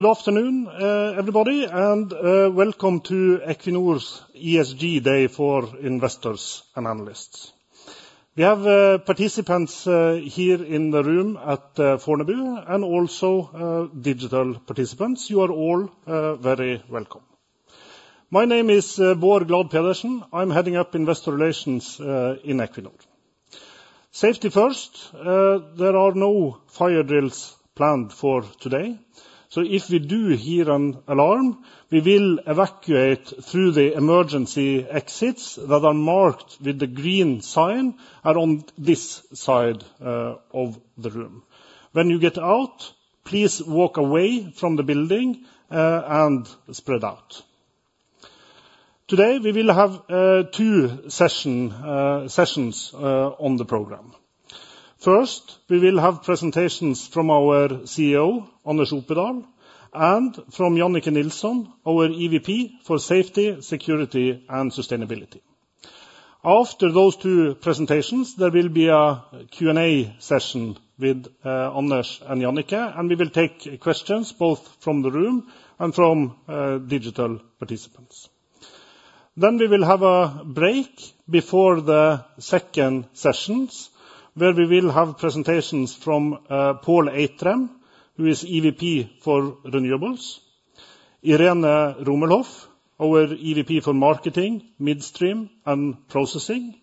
Good afternoon, everybody, and welcome to Equinor's ESG Day for investors and analysts. We have participants here in the room at Fornebu and also digital participants. You are all very welcome. My name is Bård Glad Pedersen. I'm heading up Investor Relations in Equinor. Safety first. There are no fire drills planned for today, so if we do hear an alarm, we will evacuate through the emergency exits that are marked with the green sign around this side of the room. When you get out, please walk away from the building and spread out. Today, we will have two sessions on the program. First, we will have presentations from our CEO, Anders Opedal, and from Jannicke Nilsson, our EVP for Safety, Security, and Sustainability. After those two presentations, there will be a Q&A session with Anders and Jannicke, and we will take questions both from the room and from digital participants. We will have a break before the second sessions, where we will have presentations from Pål Eitrheim, who is EVP for Renewables, Irene Rummelhoff, our EVP for Marketing, Midstream and Processing,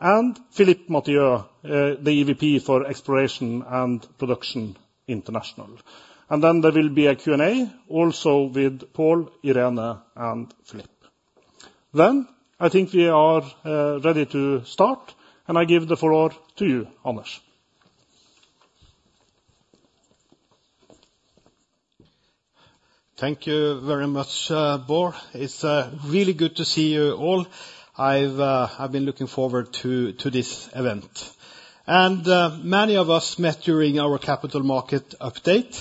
and Philippe Mathieu, the EVP for Exploration and Production International. There will be a Q&A also with Pål, Irene, and Philippe. I think we are ready to start, and I give the floor to you, Anders. Thank you very much, Bård. It's really good to see you all. I've been looking forward to this event. Many of us met during our capital market update.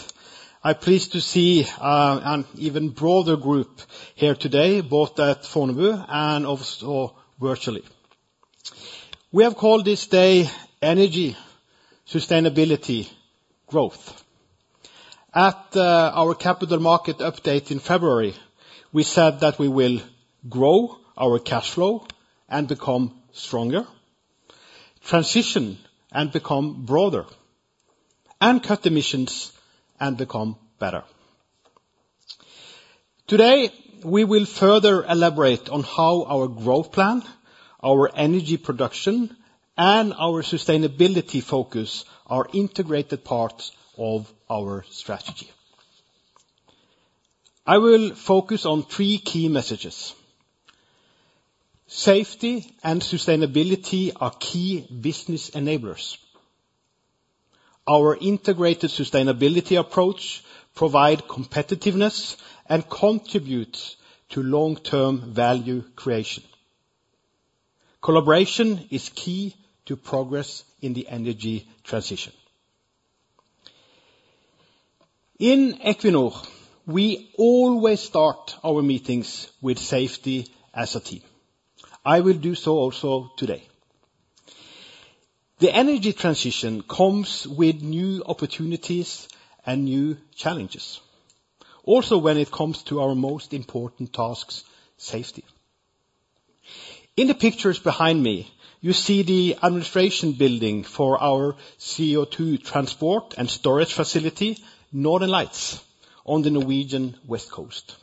I'm pleased to see an even broader group here today, both at Fornebu and also virtually. We have called this day Energy, Sustainability, Growth. At our capital market update in February, we said that we will grow our cash flow and become stronger, transition and become broader, and cut emissions and become better. Today, we will further elaborate on how our growth plan, our energy production, and our sustainability focus are integrated parts of our strategy. I will focus on three key messages. Safety and sustainability are key business enablers. Our integrated sustainability approach provide competitiveness and contributes to long-term value creation. Collaboration is key to progress in the energy transition. In Equinor, we always start our meetings with safety as a team. I will do so also today. The energy transition comes with new opportunities and new challenges, also when it comes to our most important task, safety. In the pictures behind me, you see the administration building for our CO2 transport and storage facility, Northern Lights, on the Norwegian west coast.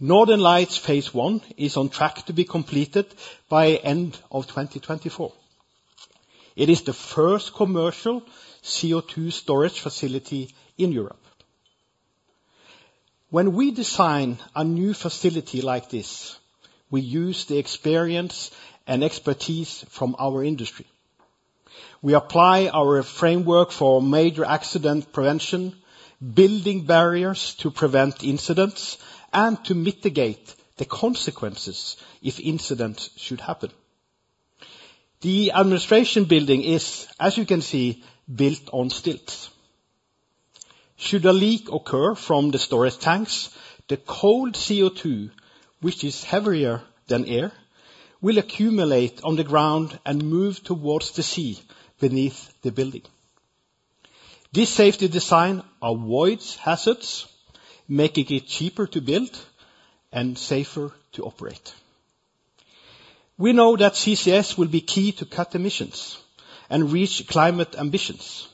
Northern Lights Phase One is on track to be completed by end of 2024. It is the first commercial CO2 storage facility in Europe. When we design a new facility like this, we use the experience and expertise from our industry. We apply our framework for major accident prevention, building barriers to prevent incidents, and to mitigate the consequences if incidents should happen. The administration building is, as you can see, built on stilts. Should a leak occur from the storage tanks, the cold CO2, which is heavier than air, will accumulate on the ground and move towards the sea beneath the building. This safety design avoids hazards, making it cheaper to build and safer to operate. We know that CCS will be key to cut emissions and reach climate ambitions.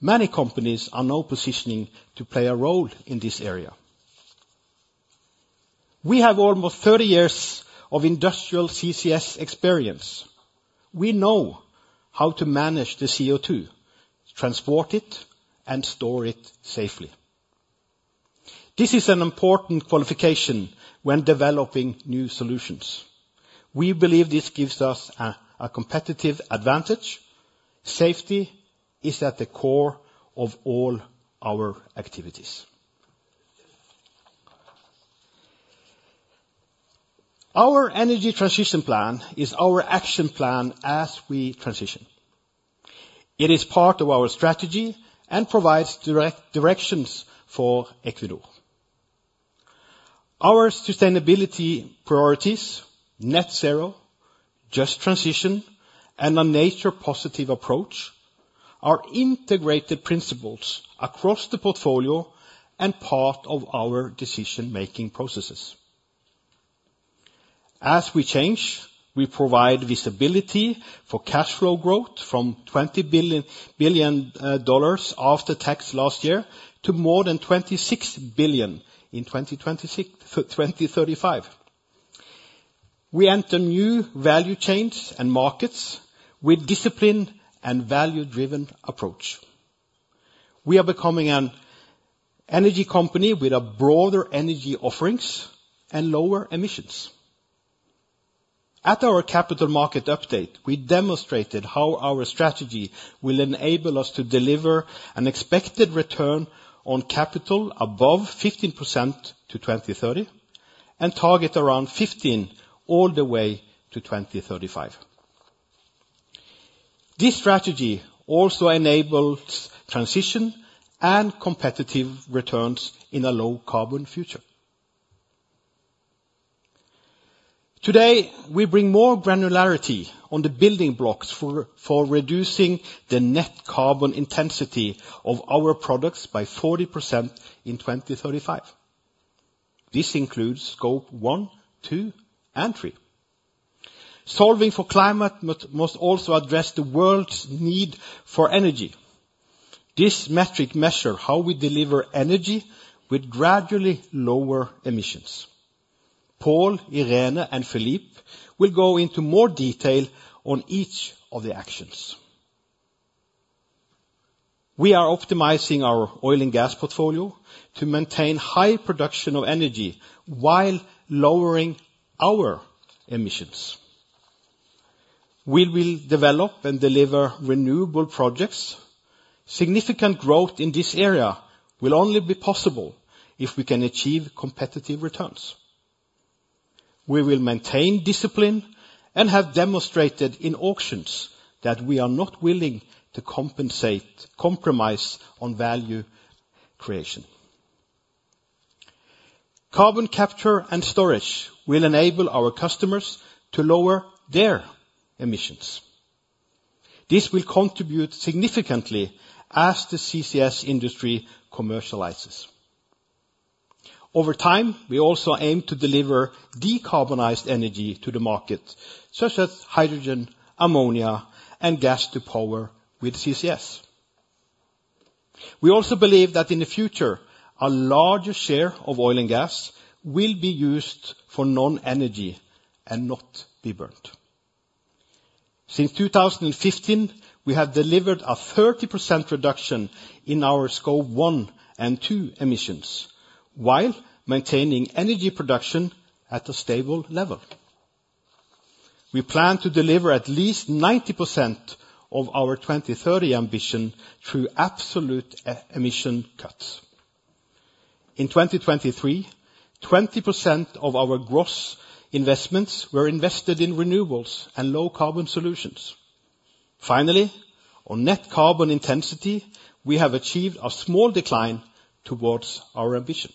Many companies are now positioning to play a role in this area. We have almost 30 years of industrial CCS experience. We know how to manage the CO2, transport it, and store it safely. This is an important qualification when developing new solutions. We believe this gives us a competitive advantage. Safety is at the core of all our activities. Our Energy Transition Plan is our action plan as we transition. It is part of our strategy and provides direct directions for Equinor. Our sustainability priorities, net zero, just transition, and a nature positive approach are integrated principles across the portfolio and part of our decision-making processes. As we change, we provide visibility for cash flow growth from $20 billion after tax last year to more than $26 billion in 2026-2035. We enter new value chains and markets with discipline and value-driven approach. We are becoming an energy company with a broader energy offerings and lower emissions. At our capital market update, we demonstrated how our strategy will enable us to deliver an expected return on capital above 15% to 2030 and target around 15% all the way to 2035. This strategy also enables transition and competitive returns in a low-carbon future. Today, we bring more granularity on the building blocks for reducing the net carbon intensity of our products by 40% in 2035. This includes Scope 1, 2, and 3. Solving for climate must also address the world's need for energy. This metric measure how we deliver energy with gradually lower emissions. Pål, Irene, and Philippe will go into more detail on each of the actions. We are optimizing our oil and gas portfolio to maintain high production of energy while lowering our emissions. We will develop and deliver renewable projects. Significant growth in this area will only be possible if we can achieve competitive returns. We will maintain discipline and have demonstrated in auctions that we are not willing to compromise on value creation. Carbon capture and storage will enable our customers to lower their emissions. This will contribute significantly as the CCS industry commercializes. Over time, we also aim to deliver decarbonized energy to the market, such as hydrogen, ammonia, and gas to power with CCS. We also believe that in the future, a larger share of oil and gas will be used for non-energy and not be burnt. Since 2015, we have delivered a 30% reduction in our Scope 1 and 2 emissions while maintaining energy production at a stable level. We plan to deliver at least 90% of our 2030 ambition through absolute emission cuts. In 2023, 20% of our gross investments were invested in renewables and low carbon solutions. Finally, on net carbon intensity, we have achieved a small decline towards our ambition.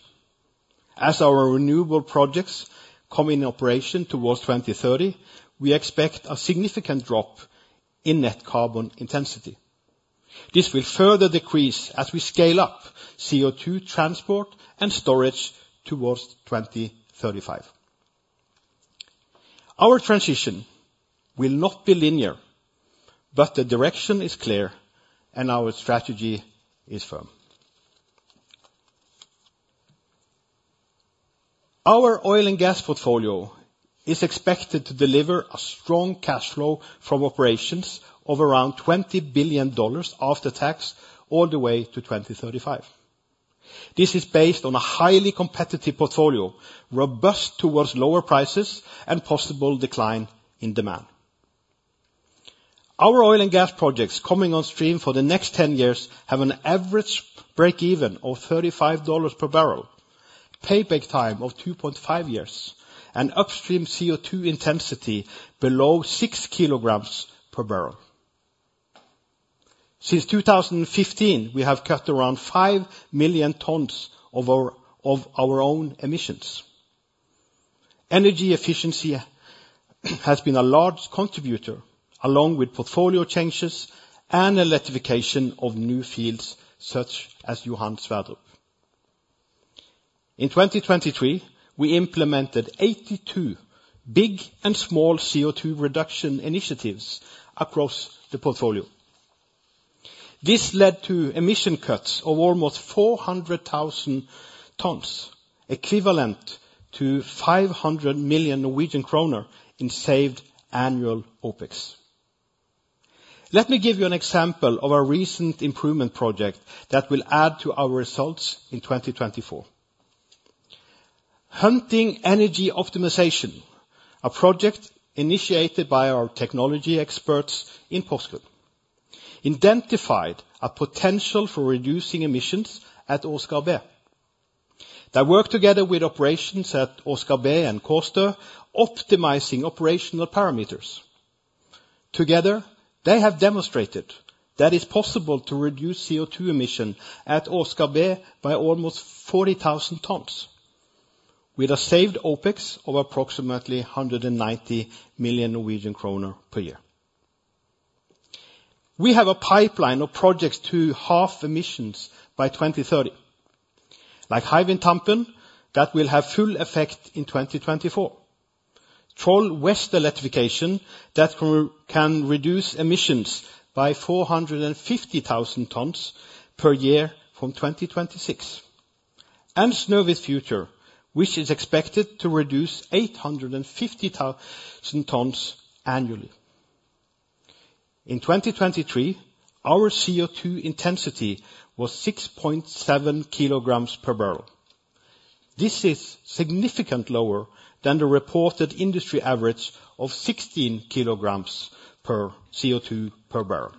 As our renewable projects come in operation towards 2030, we expect a significant drop in net carbon intensity. This will further decrease as we scale up CO2 transport and storage towards 2035. Our transition will not be linear, but the direction is clear and our strategy is firm. Our oil and gas portfolio is expected to deliver a strong cash flow from operations of around $20 billion after tax all the way to 2035. This is based on a highly competitive portfolio, robust towards lower prices and possible decline in demand. Our oil and gas projects coming on stream for the next ten years have an average breakeven of $35 per barrel, payback time of 2.5 years, and upstream CO2 intensity below 6 kg per barrel. Since 2015, we have cut around 5 million tons of our own emissions. Energy efficiency has been a large contributor, along with portfolio changes and electrification of new fields such as Johan Sverdrup. In 2023, we implemented 82 big and small CO2 reduction initiatives across the portfolio. This led to emission cuts of almost 400,000 tons, equivalent to 500 million Norwegian kroner in saved annual OpEx. Let me give you an example of a recent improvement project that will add to our results in 2024. Heating energy optimization, a project initiated by our technology experts in Porsgrunn, identified a potential for reducing emissions at Oseberg B. They work together with operations at Oseberg B and Kårstø, optimizing operational parameters. Together, they have demonstrated that it's possible to reduce CO2 emission at Oseberg B by almost 40,000 tons with a saved OpEx of approximately 190 million Norwegian kroner per year. We have a pipeline of projects to half emissions by 2030. Like Hywind Tampen, that will have full effect in 2024. Troll West electrification that can reduce emissions by 450,000 tons per year from 2026. Snøhvit Future, which is expected to reduce 850,000 tons annually. In 2023, our CO2 intensity was 6.7 kilograms per barrel. This is significantly lower than the reported industry average of 16 kilograms CO2 per barrel.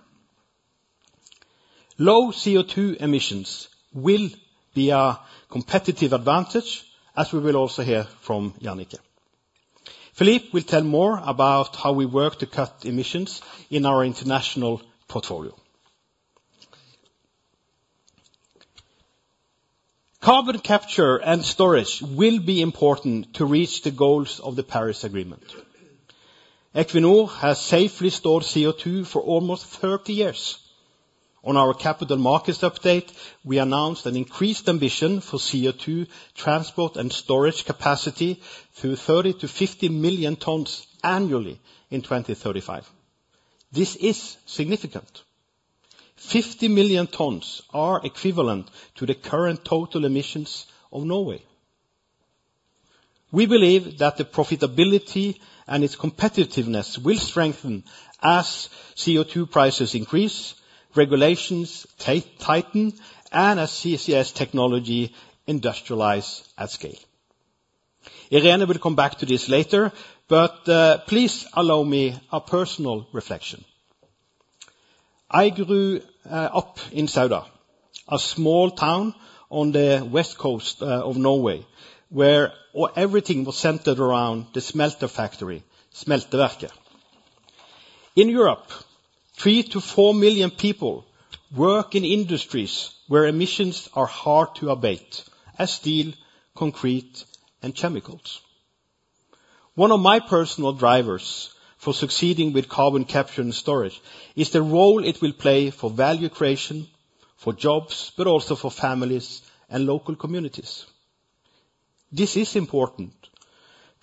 Low CO2 emissions will be a competitive advantage, as we will also hear from Jannicke. Philippe will tell more about how we work to cut emissions in our international portfolio. Carbon capture and storage will be important to reach the goals of the Paris Agreement. Equinor has safely stored CO2 for almost 30 years. On our capital markets update, we announced an increased ambition for CO2 transport and storage capacity to 30-50 million tons annually in 2035. This is significant. 50 million tons are equivalent to the current total emissions of Norway. We believe that the profitability and its competitiveness will strengthen as CO2 prices increase, regulations tighten, and as CCS technology industrializes at scale. Irene will come back to this later, but please allow me a personal reflection. I grew up in Sauda, a small town on the west coast of Norway, where everything was centered around the smelter factory, Smelteverket. In Europe, 3-4 million people work in industries where emissions are hard to abate, as steel, concrete, and chemicals. One of my personal drivers for succeeding with carbon capture and storage is the role it will play for value creation, for jobs, but also for families and local communities. This is important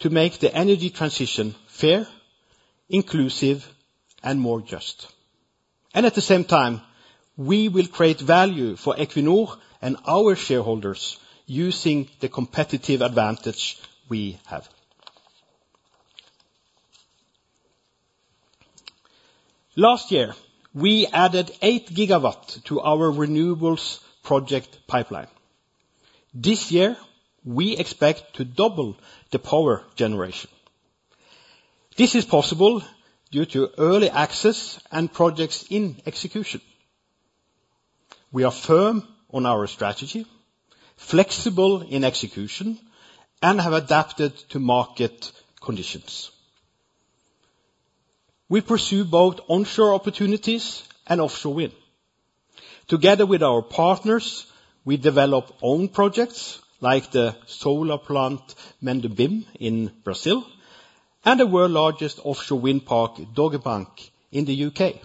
to make the energy transition fair, inclusive, and more just. At the same time, we will create value for Equinor and our shareholders using the competitive advantage we have. Last year, we added 8 GW to our renewables project pipeline. This year, we expect to double the power generation. This is possible due to early access and projects in execution. We are firm on our strategy, flexible in execution, and have adapted to market conditions. We pursue both onshore opportunities and offshore wind. Together with our partners, we develop own projects, like the solar plant Mendubim in Brazil, and the world's largest offshore wind park, Dogger Bank, in the U.K..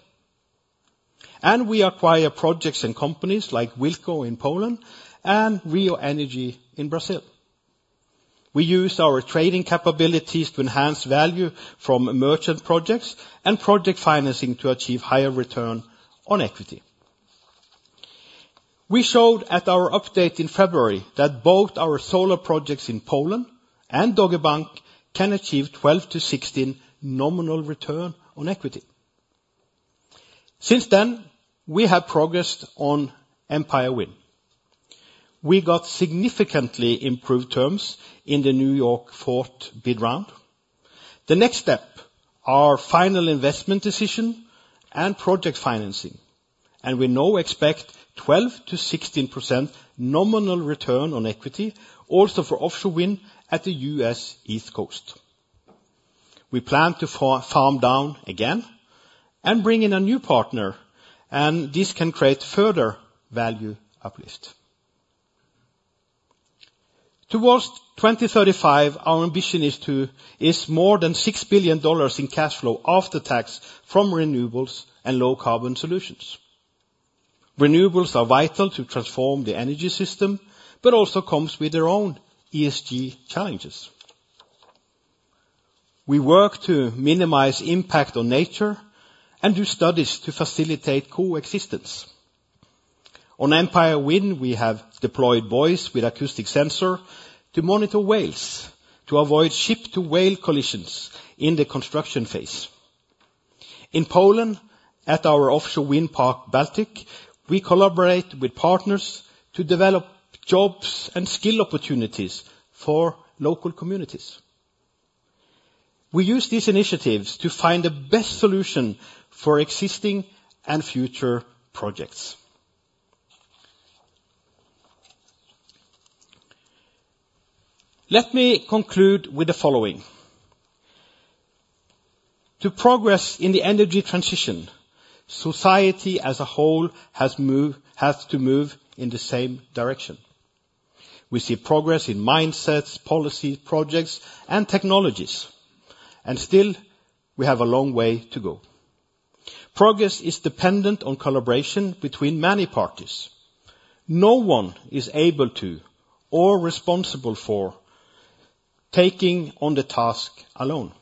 We acquire projects and companies like Wento in Poland and Rio Energy in Brazil. We use our trading capabilities to enhance value from merchant projects and project financing to achieve higher return on equity. We showed at our update in February that both our solar projects in Poland and Dogger Bank can achieve 12%-16% nominal return on equity. Since then, we have progressed on Empire Wind. We got significantly improved terms in the New York fourth bid round. The next step, our final investment decision and project financing. We now expect 12%-16% nominal return on equity also for offshore wind at the U.S. East Coast. We plan to farm down again and bring in a new partner, and this can create further value uplift. Towards 2035, our ambition is more than $6 billion in cash flow after tax from renewables and low-carbon solutions. Renewables are vital to transform the energy system, but also comes with their own ESG challenges. We work to minimize impact on nature and do studies to facilitate coexistence. On Empire Wind, we have deployed buoys with acoustic sensor to monitor whales to avoid ship-to-whale collisions in the construction phase. In Poland, at our offshore wind park, Baltic, we collaborate with partners to develop jobs and skill opportunities for local communities. We use these initiatives to find the best solution for existing and future projects. Let me conclude with the following. To progress in the energy transition, society as a whole has to move in the same direction. We see progress in mindsets, policies, projects, and technologies, and still we have a long way to go. Progress is dependent on collaboration between many parties. No one is able to or responsible for taking on the task alone.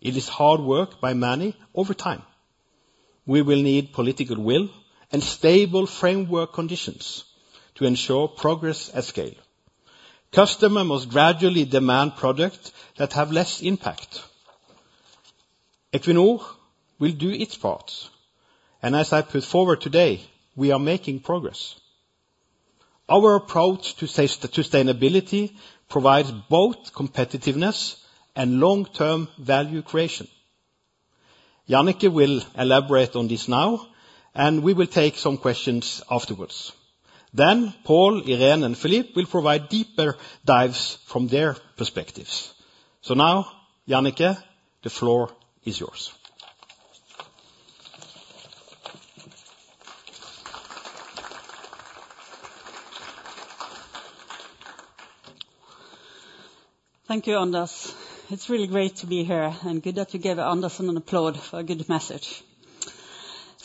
It is hard work by many over time. We will need political will and stable framework conditions to ensure progress at scale. Customer must gradually demand product that have less impact. Equinor will do its part, and as I put forward today, we are making progress. Our approach to sustainability provides both competitiveness and long-term value creation. Jannicke will elaborate on this now, and we will take some questions afterwards. Pål, Irene, and Philippe will provide deeper dives from their perspectives. Now, Jannicke, the floor is yours. Thank you, Anders. It's really great to be here, and good that you give Anders an applause for a good message.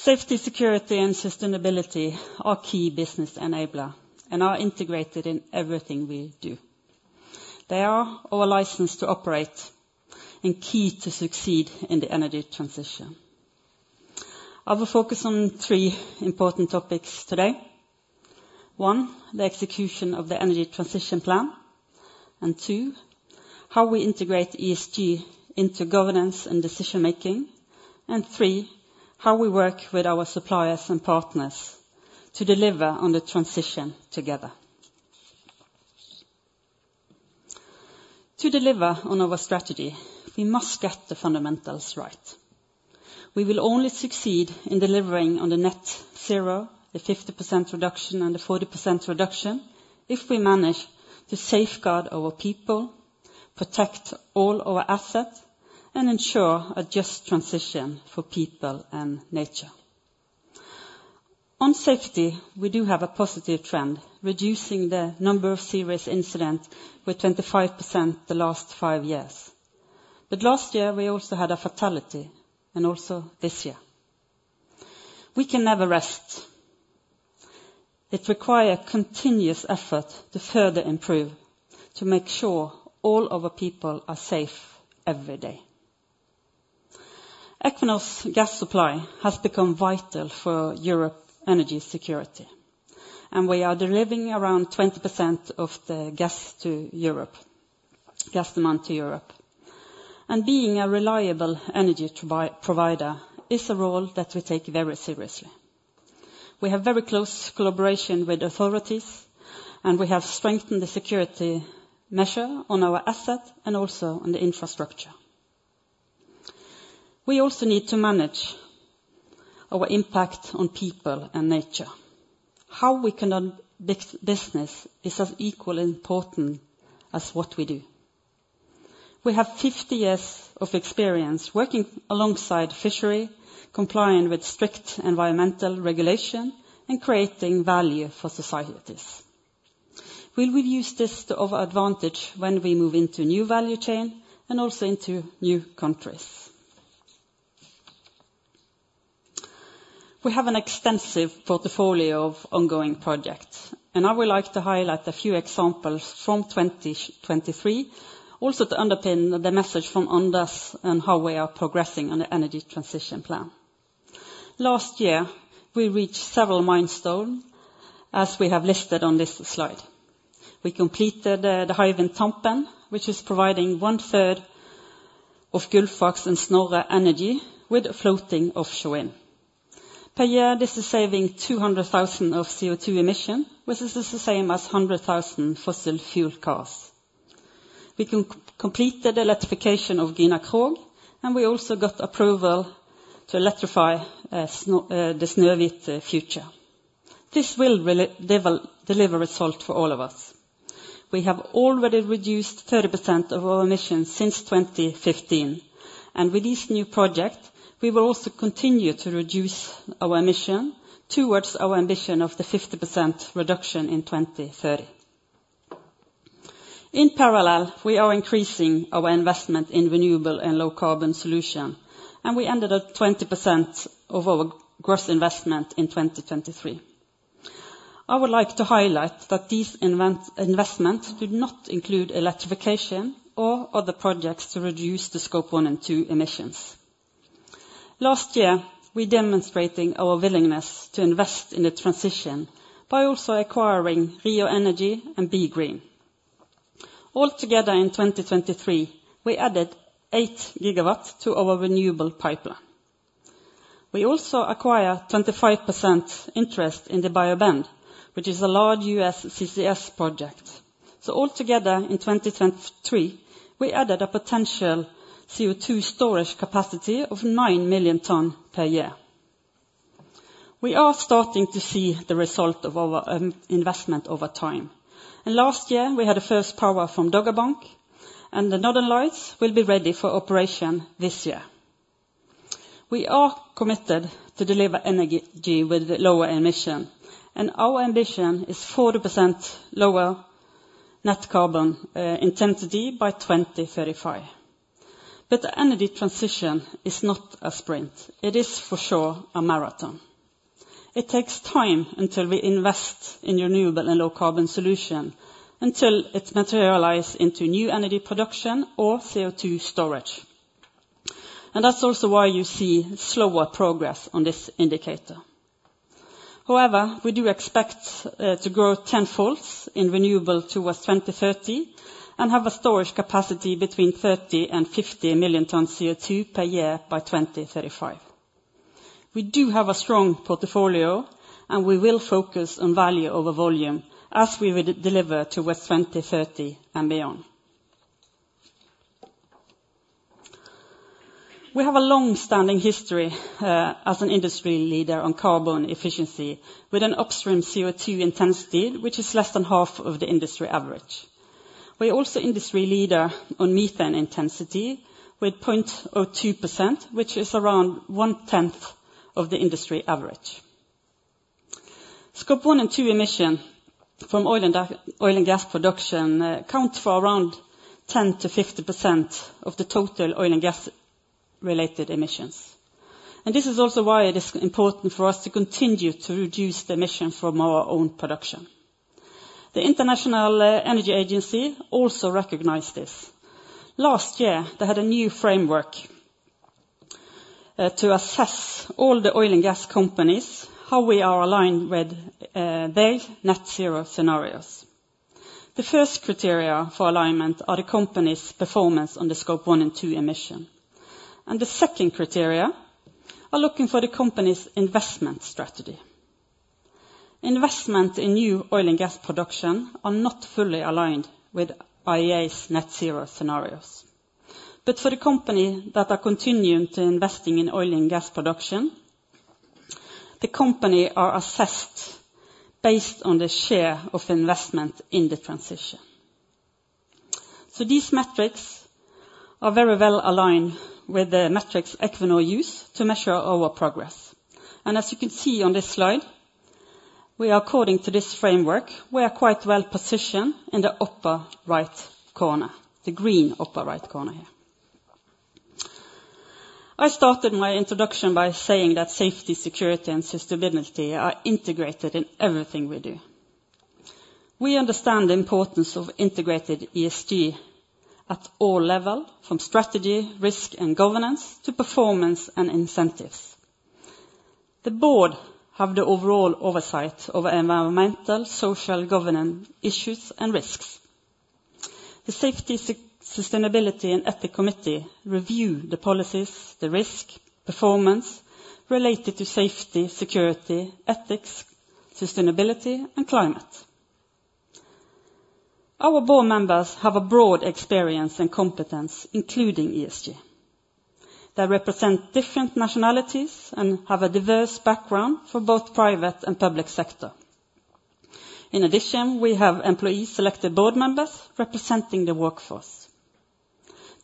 Safety, security, and sustainability are key business enabler and are integrated in everything we do. They are our license to operate and key to succeed in the energy transition. I will focus on three important topics today. One, the execution of the Energy Transition Plan. Two, how we integrate ESG into governance and decision-making. Three, how we work with our suppliers and partners to deliver on the transition together. To deliver on our strategy, we must get the fundamentals right. We will only succeed in delivering on the net zero, the 50% reduction, and the 40% reduction if we manage to safeguard our people, protect all our assets, and ensure a just transition for people and nature. On safety, we do have a positive trend, reducing the number of serious incidents with 25% the last five years. Last year, we also had a fatality, and also this year. We can never rest. It requires continuous effort to further improve, to make sure all of our people are safe every day. Equinor's gas supply has become vital for Europe's energy security, and we are delivering around 20% of the gas to Europe's gas demand. Being a reliable energy provider is a role that we take very seriously. We have very close collaboration with authorities, and we have strengthened the security measures on our assets and also on the infrastructure. We also need to manage our impact on people and nature. How we conduct business is as equally important as what we do. We have 50 years of experience working alongside fishery, complying with strict environmental regulation, and creating value for societies. We will use this to our advantage when we move into new value chain and also into new countries. We have an extensive portfolio of ongoing projects, and I would like to highlight a few examples from 2023, also to underpin the message from Anders on how we are progressing on the Energy Transition Plan. Last year, we reached several milestones, as we have listed on this slide. We completed the Hywind Tampen, which is providing one-third of Gullfaks and Snorre energy with floating offshore wind. Per year, this is saving 200,000 of CO2 emissions, which is the same as 100,000 fossil fuel cars. We completed electrification of Gina Krog, and we also got approval to electrify the Snøhvit Future. This will really deliver results for all of us. We have already reduced 30% of our emissions since 2015, and with this new project, we will also continue to reduce our emissions towards our ambition of the 50% reduction in 2030. In parallel, we are increasing our investment in renewable and low carbon solutions, and we ended at 20% of our gross investment in 2023. I would like to highlight that these investments do not include electrification or other projects to reduce the Scope 1 and 2 emissions. Last year, we demonstrated our willingness to invest in the transition by also acquiring Rio Energy and BeGreen. Altogether in 2023, we added 8 GW to our renewable pipeline. We also acquired 25% interest in the Bayou Bend, which is a large U.S. CCS project. All together in 2023, we added a potential CO2 storage capacity of 9 million tons per year. We are starting to see the result of our investment over time. Last year we had a first power from Dogger Bank, and the Northern Lights will be ready for operation this year. We are committed to deliver energy with lower emission, and our ambition is 40% lower net carbon intensity by 2035. The energy transition is not a sprint, it is for sure a marathon. It takes time until we invest in renewable and low carbon solution until it materialize into new energy production or CO2 storage. That's also why you see slower progress on this indicator. However, we do expect to grow tenfold in renewables towards 2030 and have a storage capacity between 30 and 50 million tons of CO2 per year by 2035. We do have a strong portfolio, and we will focus on value over volume as we would deliver towards 2030 and beyond. We have a long-standing history as an industry leader on carbon efficiency with an upstream CO2 intensity which is less than half of the industry average. We're also an industry leader on methane intensity with 0.02%, which is around one-tenth of the industry average. Scope 1 and 2 emissions from oil and gas production account for around 10%-50% of the total oil and gas related emissions. This is also why it is important for us to continue to reduce the emissions from our own production. The International Energy Agency also recognized this. Last year, they had a new framework to assess all the oil and gas companies, how we are aligned with their net zero scenarios. The first criteria for alignment are the company's performance on the Scope 1 and 2 emissions. The second criteria are looking for the company's investment strategy. Investment in new oil and gas production are not fully aligned with IEA's net zero scenarios. For the company that are continuing to investing in oil and gas production, the company are assessed based on the share of investment in the transition. These metrics are very well aligned with the metrics Equinor use to measure our progress. As you can see on this slide, we are according to this framework, we are quite well positioned in the upper right corner, the green upper right corner here. I started my introduction by saying that safety, security, and sustainability are integrated in everything we do. We understand the importance of integrated ESG at all level, from strategy, risk and governance to performance and incentives. The board have the overall oversight of environmental, social governance issues and risks. The safety, sustainability and ethics committee review the policies, the risk, performance related to safety, security, ethics, sustainability and climate. Our board members have a broad experience and competence including ESG. They represent different nationalities and have a diverse background for both private and public sector. In addition, we have employee selected board members representing the workforce.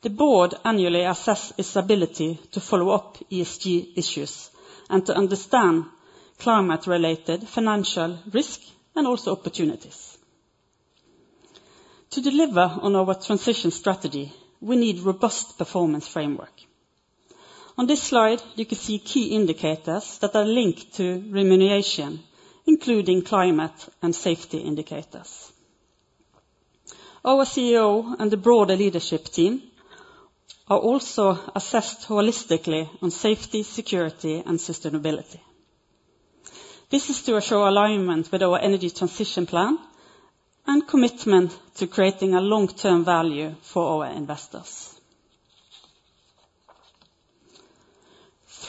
The board annually assess its ability to follow up ESG issues and to understand climate related financial risk and also opportunities. To deliver on our transition strategy, we need robust performance framework. On this slide, you can see key indicators that are linked to remuneration, including climate and safety indicators. Our CEO and the broader leadership team are also assessed holistically on safety, security and sustainability. This is to assure alignment with our Energy Transition Plan and commitment to creating a long-term value for our investors.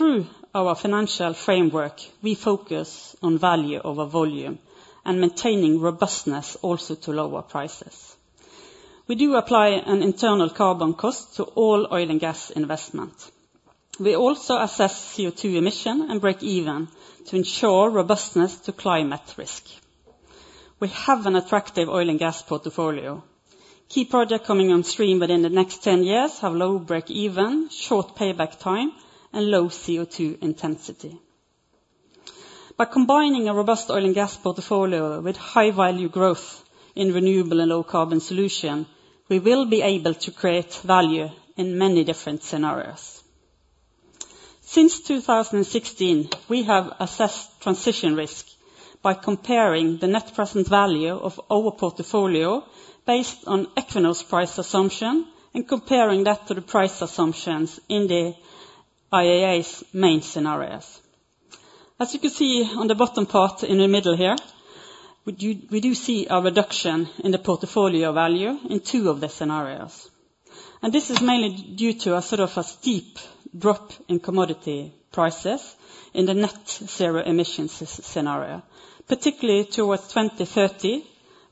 Through our financial framework, we focus on value over volume and maintaining robustness also to lower prices. We do apply an internal carbon cost to all oil and gas investment. We also assess CO2 emission and breakeven to ensure robustness to climate risk. We have an attractive oil and gas portfolio. Key project coming on stream within the next 10 years have low breakeven, short payback time and low CO2 intensity. By combining a robust oil and gas portfolio with high value growth in renewable and low carbon solution, we will be able to create value in many different scenarios. Since 2016, we have assessed transition risk by comparing the net present value of our portfolio based on Equinor's price assumption and comparing that to the price assumptions in the IEA's main scenarios. As you can see on the bottom part in the middle here, we do see a reduction in the portfolio value in two of the scenarios. This is mainly due to a sort of a steep drop in commodity prices in the net-zero emissions scenario, particularly towards 2030,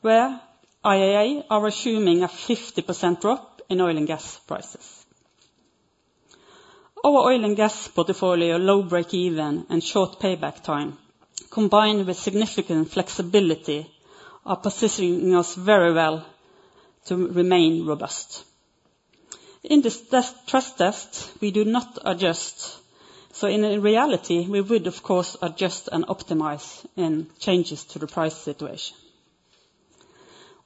where IEA are assuming a 50% drop in oil and gas prices. Our oil and gas portfolio low breakeven and short payback time, combined with significant flexibility are positioning us very well to remain robust. In this stress test, we do not adjust. In reality, we would of course adjust and optimize in changes to the price situation.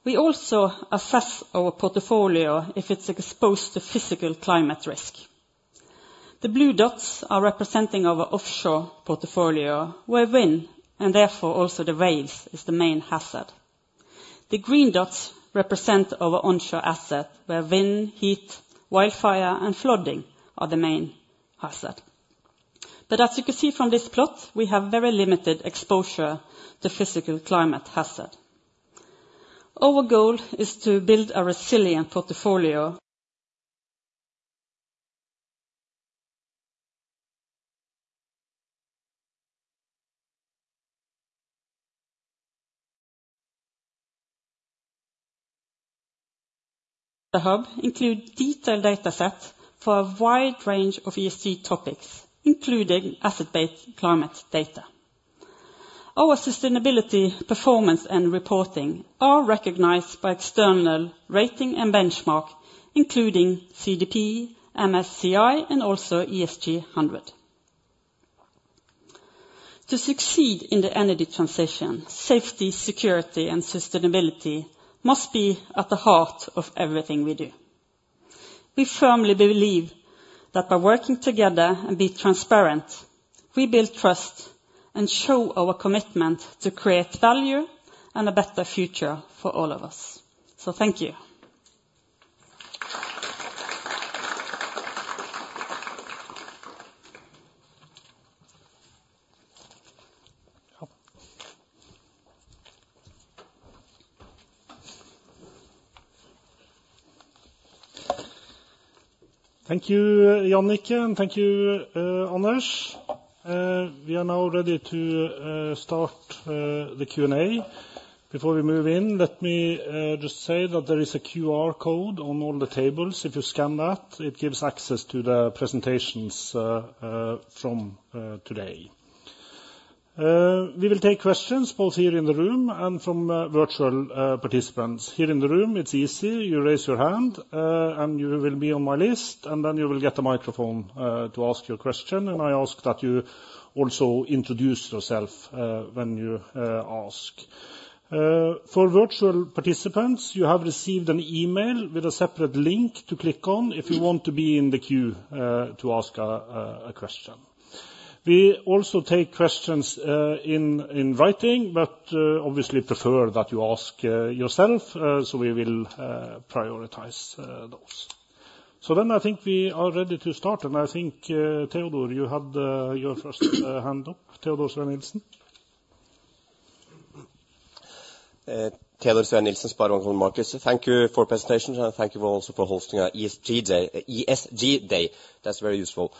We also assess our portfolio if it's exposed to physical climate risk. The blue dots are representing our offshore portfolio where wind, and therefore also the waves, is the main hazard. The green dots represent our onshore asset, where wind, heat, wildfire and flooding are the main hazard. As you can see from this plot, we have very limited exposure to physical climate hazard. Our goal is to build a resilient portfolio. The hub include detailed data set for a wide range of ESG topics, including asset-based climate data. Our sustainability performance and reporting are recognized by external rating and benchmark, including CDP, MSCI, and also ESG hundred. To succeed in the energy transition, safety, security, and sustainability must be at the heart of everything we do. We firmly believe that by working together and be transparent, we build trust and show our commitment to create value and a better future for all of us. Thank you. Thank you, Jannicke, and thank you, Anders. We are now ready to start the Q&A. Before we move in, let me just say that there is a QR code on all the tables. If you scan that, it gives access to the presentations from today. We will take questions both here in the room and from virtual participants. Here in the room, it's easy. You raise your hand, and you will be on my list, and then you will get a microphone to ask your question. I ask that you also introduce yourself when you ask. For virtual participants, you have received an email with a separate link to click on if you want to be in the queue to ask a question. We also take questions in writing, but obviously prefer that you ask yourself, so we will prioritize those. I think we are ready to start. I think, Teodor, you had your first hand up. Teodor Sveen-Nilsen. Teodor Sveen-Nilsen, SEB Capital Markets. Thank you for presentation, and thank you also for hosting ESG Day. That's very useful.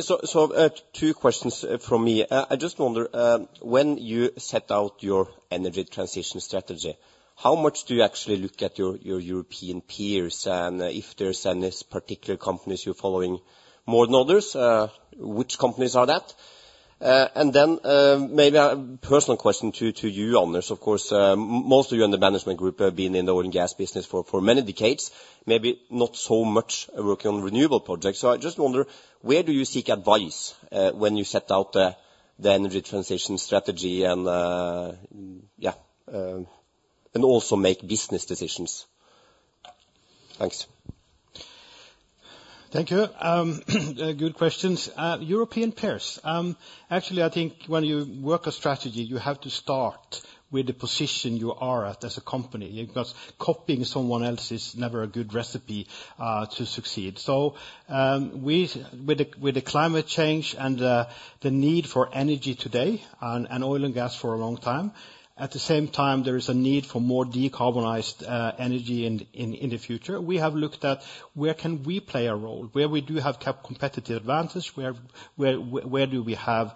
So, two questions from me. I just wonder when you set out your energy transition strategy, how much do you actually look at your European peers? And if there's any particular companies you're following more than others, which companies are that? Then, maybe a personal question to you, Anders. Of course, most of you in the management group have been in the oil and gas business for many decades, maybe not so much working on renewable projects. I just wonder where you seek advice when you set out the energy transition strategy and also make business decisions? Thanks. Thank you. Good questions. European peers. Actually, I think when you work a strategy, you have to start with the position you are at as a company, because copying someone else is never a good recipe to succeed. We with the climate change and the need for energy today and oil and gas for a long time, at the same time, there is a need for more decarbonized energy in the future. We have looked at where can we play a role, where we do have competitive advantage, where do we have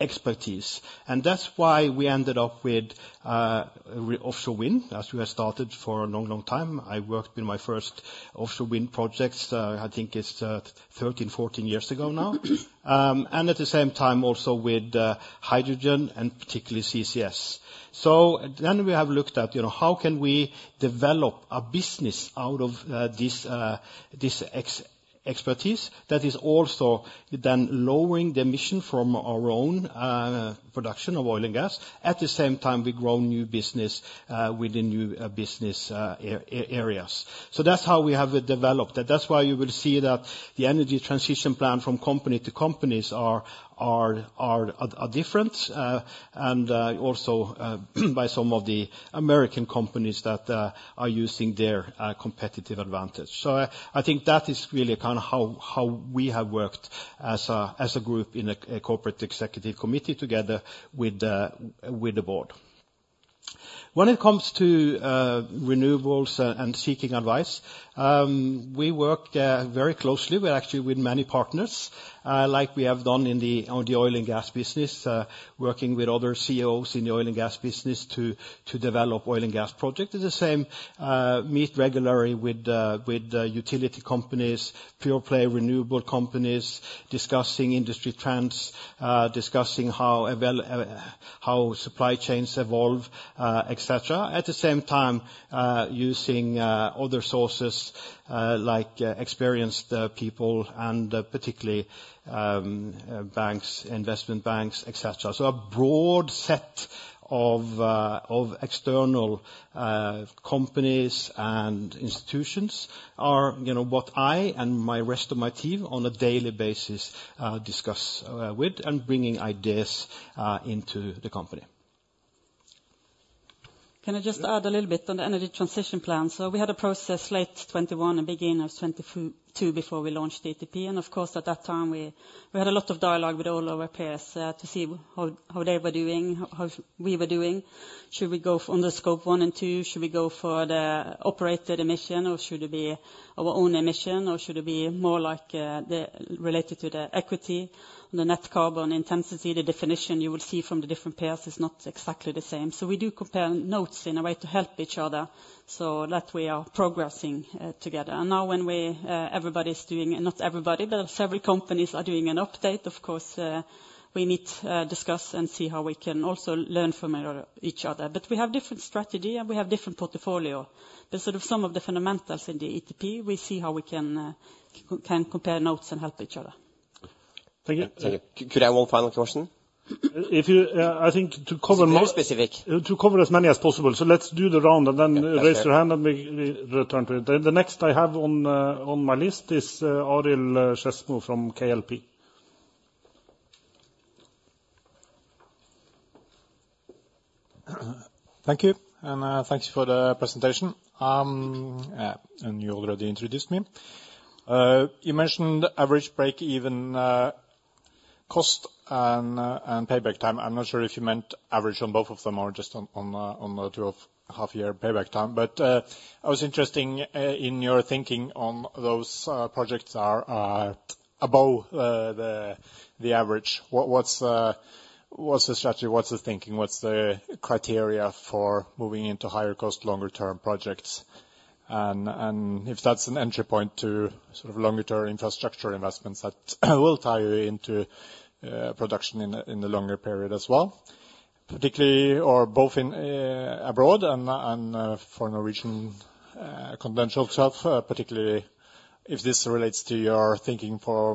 expertise. That's why we ended up with offshore wind, as we have started for a long, long time. I worked in my first offshore wind projects, I think it's 13, 14 years ago now. At the same time also with hydrogen and particularly CCS. We have looked at, you know, how can we develop a business out of this expertise that is also then lowering the emission from our own production of oil and gas. At the same time, we grow new business with the new business areas. That's how we have developed it. That's why you will see that the Energy Transition Plan from company to companies are different, and by some of the American companies that are using their competitive advantage. I think that is really kind of how we have worked as a group in a corporate executive committee together with the board. When it comes to renewables and seeking advice, we work very closely. We're actually with many partners like we have done in the on the oil and gas business working with other COs in the oil and gas business to develop oil and gas project. It's the same, meet regularly with utility companies, pure play renewable companies, discussing industry trends, discussing how supply chains evolve, et cetera. At the same time, using other sources like experienced people and particularly banks, investment banks, et cetera. A broad set of external companies and institutions are, you know, what I and the rest of my team on a daily basis discuss with and bringing ideas into the company. Can I just add a little bit on the Energy Transition Plan? We had a process late 2021 and beginning of 2022 before we launched ETP. Of course, at that time we had a lot of dialogue with all our peers to see how they were doing, how we were doing. Should we go on the Scope 1 and 2? Should we go for the operated emission or should it be our own emission or should it be more like related to the equity? The net carbon intensity, the definition you will see from the different peers is not exactly the same. We do compare notes in a way to help each other so that we are progressing together. Now when we, everybody is doing, not everybody, but several companies are doing an update, of course, we need to discuss and see how we can also learn from each other. We have different strategy and we have different portfolio. Sort of some of the fundamentals in the ETP, we see how we can compare notes and help each other. Thank you. Could I have one final question? I think to cover. It's very specific. To cover as many as possible. Let's do the round and then raise your hand and we return to it. The next I have on my list is Arild Skedsmo from KLP. Thank you and thanks for the presentation. You already introduced me. You mentioned average break-even cost and payback time. I'm not sure if you meant average on both of them or just on the two of half year payback time. I was interested in your thinking on those projects are above the average. What's the strategy? What's the thinking? What's the criteria for moving into higher cost, longer term projects? If that's an entry point to sort of longer term infrastructure investments that will tie into production in the longer period as well, particularly or both in abroad and for Norwegian conventional stuff, particularly if this relates to your thinking for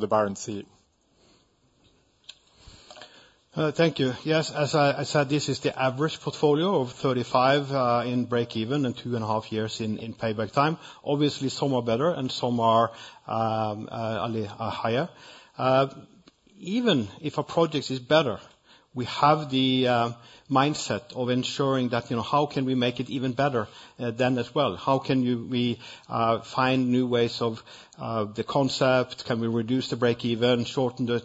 the Barents Sea. Thank you. Yes, as I said, this is the average portfolio of 35 in breakeven and 2.5 years in payback time. Obviously, some are better and some are a little higher. Even if a project is better, we have the mindset of ensuring that, you know, how can we make it even better then as well? How can we find new ways of the concept? Can we reduce the breakeven, shorten the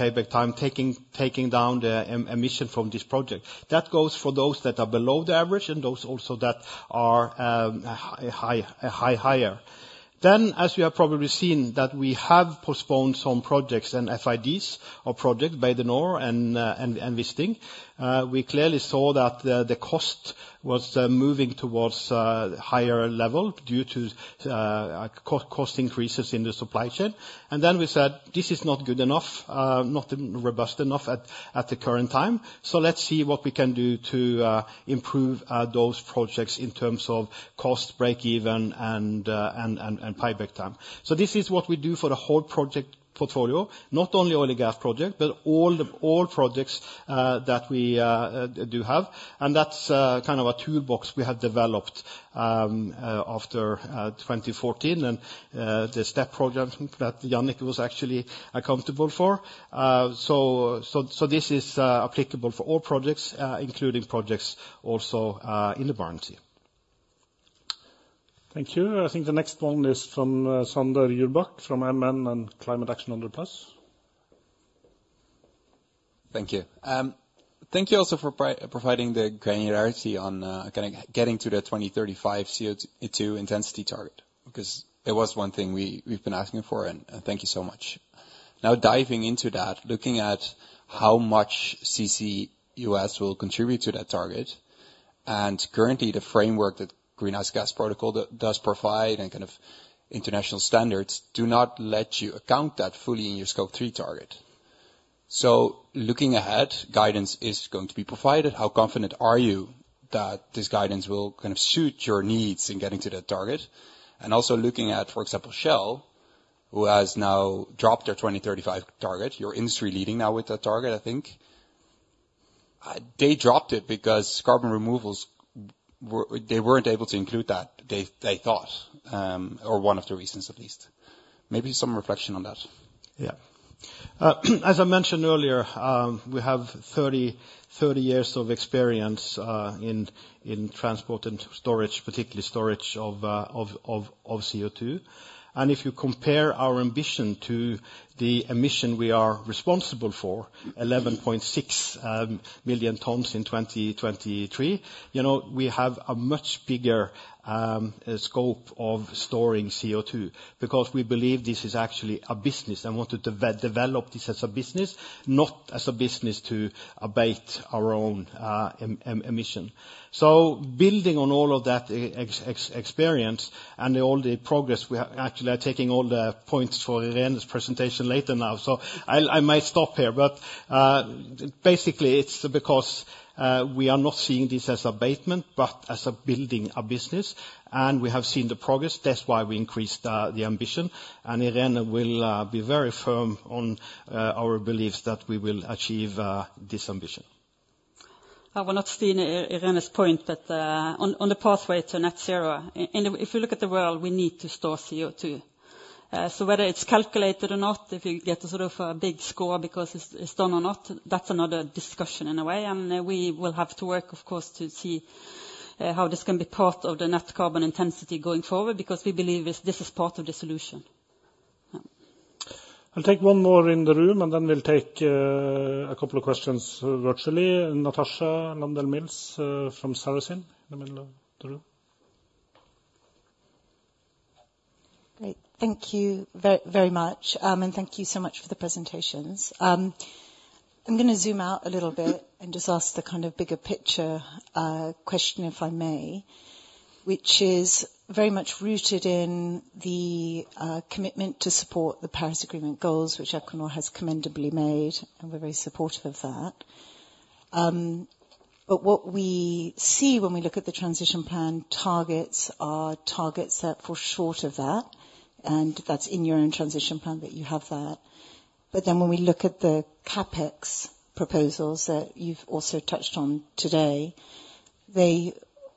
payback time, taking down the emission from this project? That goes for those that are below the average and those also that are higher. As you have probably seen, that we have postponed some projects and FIDs or projects by Equinor and Wisting. We clearly saw that the cost was moving towards higher level due to cost increases in the supply chain. We said, this is not good enough, not robust enough at the current time. Let's see what we can do to improve those projects in terms of cost break even and payback time. This is what we do for the whole project portfolio, not only oil and gas project, but all the projects that we do have. That's kind of a toolbox we have developed after 2014 and the STEP program that Jannicke was actually accountable for. This is applicable for all projects, including projects also, in the Barents Sea. Thank you. I think the next one is from Xander Urbach from MN and Climate Action 100+. Thank you. Thank you also for providing the granularity on kind of getting to the 2035 CO2 intensity target, because it was one thing we've been asking for, and thank you so much. Diving into that, looking at how much CCUS will contribute to that target, and currently the framework that Greenhouse Gas Protocol does provide and kind of international standards do not let you account that fully in your Scope 3 target. Looking ahead, guidance is going to be provided. How confident are you that this guidance will kind of suit your needs in getting to that target? Also looking at, for example, Shell, who has now dropped their 2035 target. You're industry-leading now with that target, I think. They dropped it because they weren't able to include that they thought, or one of the reasons at least. Maybe some reflection on that. Yeah, as I mentioned earlier, we have 30 years of experience in transport and storage, particularly storage of CO2. If you compare our ambition to the emission we are responsible for, 11.6 million tons in 2023, you know, we have a much bigger scope of storing CO2 because we believe this is actually a business and want to develop this as a business, not as a business to abate our own emission. Building on all of that experience and all the progress, we are actually taking all the points for Irene's presentation later now. I might stop here, but basically it's because we are not seeing this as abatement, but as building a business, and we have seen the progress. That's why we increased the ambition. Irene will be very firm on our beliefs that we will achieve this ambition. I will not steal Irene's point that on the pathway to net zero, and if you look at the world, we need to store CO2. So whether it's calculated or not, if you get sort of a big score because it's done or not, that's another discussion in a way. We will have to work, of course, to see how this can be part of the net carbon intensity going forward, because we believe this is part of the solution. Yeah. I'll take one more in the room, and then we'll take a couple of questions virtually. Natasha Landell-Mills from Sarasin, in the middle of the room. Great. Thank you very much, and thank you so much for the presentations. I'm gonna zoom out a little bit and just ask the kind of bigger picture question, if I may, which is very much rooted in the commitment to support the Paris Agreement goals, which Equinor has commendably made, and we're very supportive of that. What we see when we look at the transition plan targets are targets set short of that, and that's in your own transition plan that you have that. When we look at the CapEx proposals that you've also touched on today, they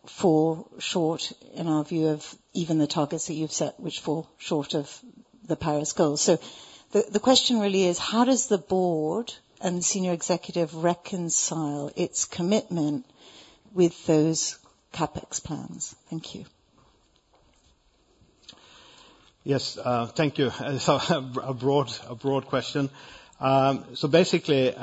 fall short in our view of even the targets that you've set, which fall short of the Paris goals. The question really is. How does the board and senior executive reconcile its commitment with those CapEx plans? Thank you. Yes. Thank you. A broad question. Basically,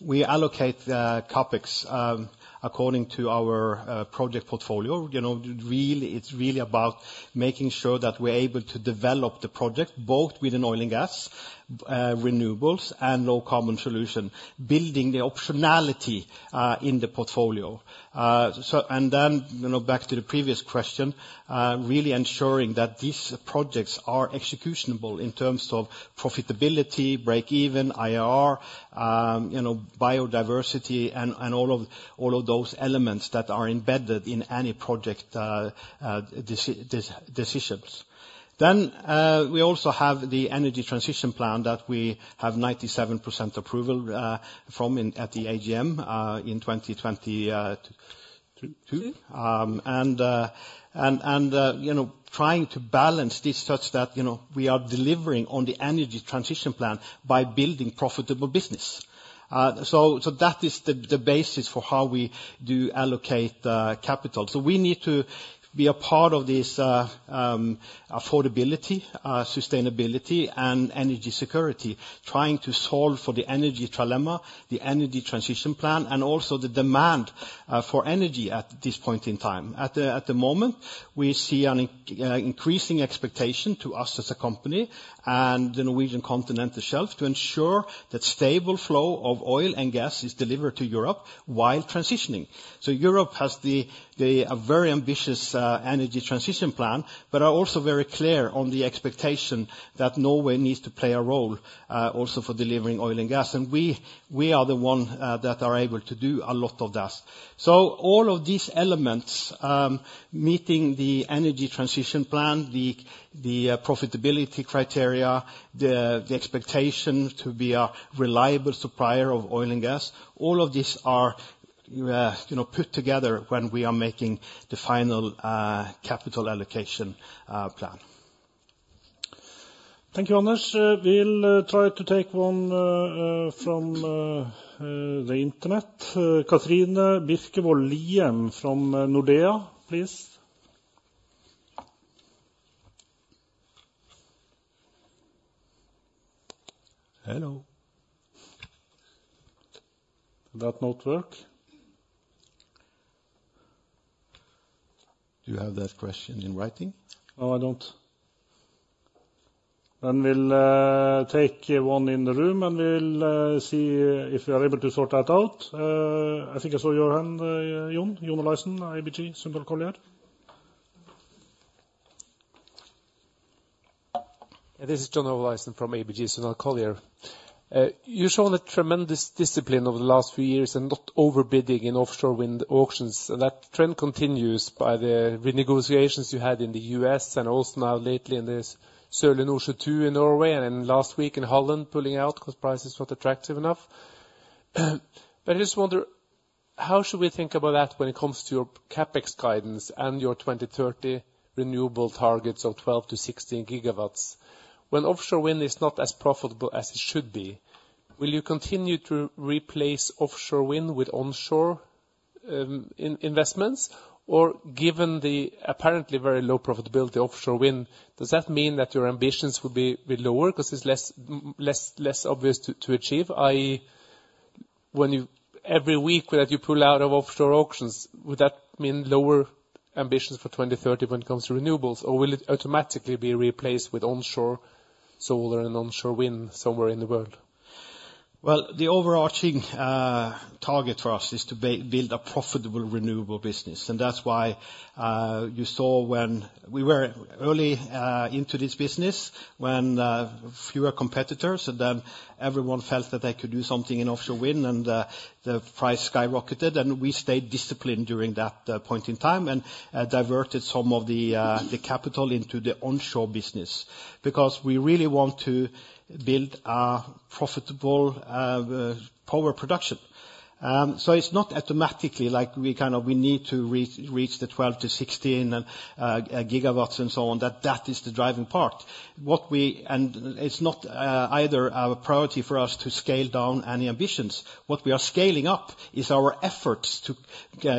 we allocate CapEx according to our project portfolio. You know, really, it's really about making sure that we're able to develop the project both within oil and gas, renewables and low carbon solution, building the optionality in the portfolio. And then, you know, back to the previous question, really ensuring that these projects are executable in terms of profitability, break even, IRR, you know, biodiversity and all of those elements that are embedded in any project decisions. We also have the Energy Transition Plan that we have 97% approval from investors at the AGM in 2022. Two. You know, trying to balance this such that, you know, we are delivering on the Energy Transition Plan by building profitable business. That is the basis for how we do allocate capital. We need to be a part of this affordability, sustainability and energy security, trying to solve for the energy trilemma, the Energy Transition Plan, and also the demand for energy at this point in time. At the moment, we see an increasing expectation to us as a company and the Norwegian Continental Shelf to ensure that stable flow of oil and gas is delivered to Europe while transitioning. Europe has a very ambitious energy transition plan, but are also very clear on the expectation that Norway needs to play a role also for delivering oil and gas. We are the one that are able to do a lot of that. All of these elements, meeting the Energy Transition Plan, the profitability criteria, the expectation to be a reliable supplier of oil and gas, all of these are, you know, put together when we are making the final capital allocation plan. Thank you, Anders. We'll try to take one from the internet. Catrine Birkevold Liem from Nordea, please. Hello. Did that not work? Do you have that question in writing? No, I don't. We'll take one in the room, and we'll see if we are able to sort that out. I think I saw your hand, John, John Olaisen, ABG Sundal Collier. Yeah, this is John Olaisen from ABG Sundal Collier. You've shown a tremendous discipline over the last few years and not overbidding in offshore wind auctions. That trend continues by the renegotiations you had in the U.S. and also now lately in this Sørlige Nordsjø II in Norway and then last week in Holland pulling out because price is not attractive enough. I just wonder. How should we think about that when it comes to your CapEx guidance and your 2030 renewable targets of 12-16 GW? When offshore wind is not as profitable as it should be, will you continue to replace offshore wind with onshore investments? Or given the apparently very low profitability offshore wind, does that mean that your ambitions will be lower 'cause it's much less obvious to achieve? When you... Every week that you pull out of offshore auctions, would that mean lower ambitions for 2030 when it comes to renewables? Or will it automatically be replaced with onshore solar and onshore wind somewhere in the world? Well, the overarching target for us is to build a profitable renewable business. That's why you saw when we were early into this business, when fewer competitors and then everyone felt that they could do something in offshore wind and the price skyrocketed, and we stayed disciplined during that point in time and diverted some of the capital into the onshore business. Because we really want to build a profitable power production. It's not automatically like we need to reach 12-16 GW and so on, that is the driving part. It's not either our priority for us to scale down any ambitions. What we are scaling up is our efforts to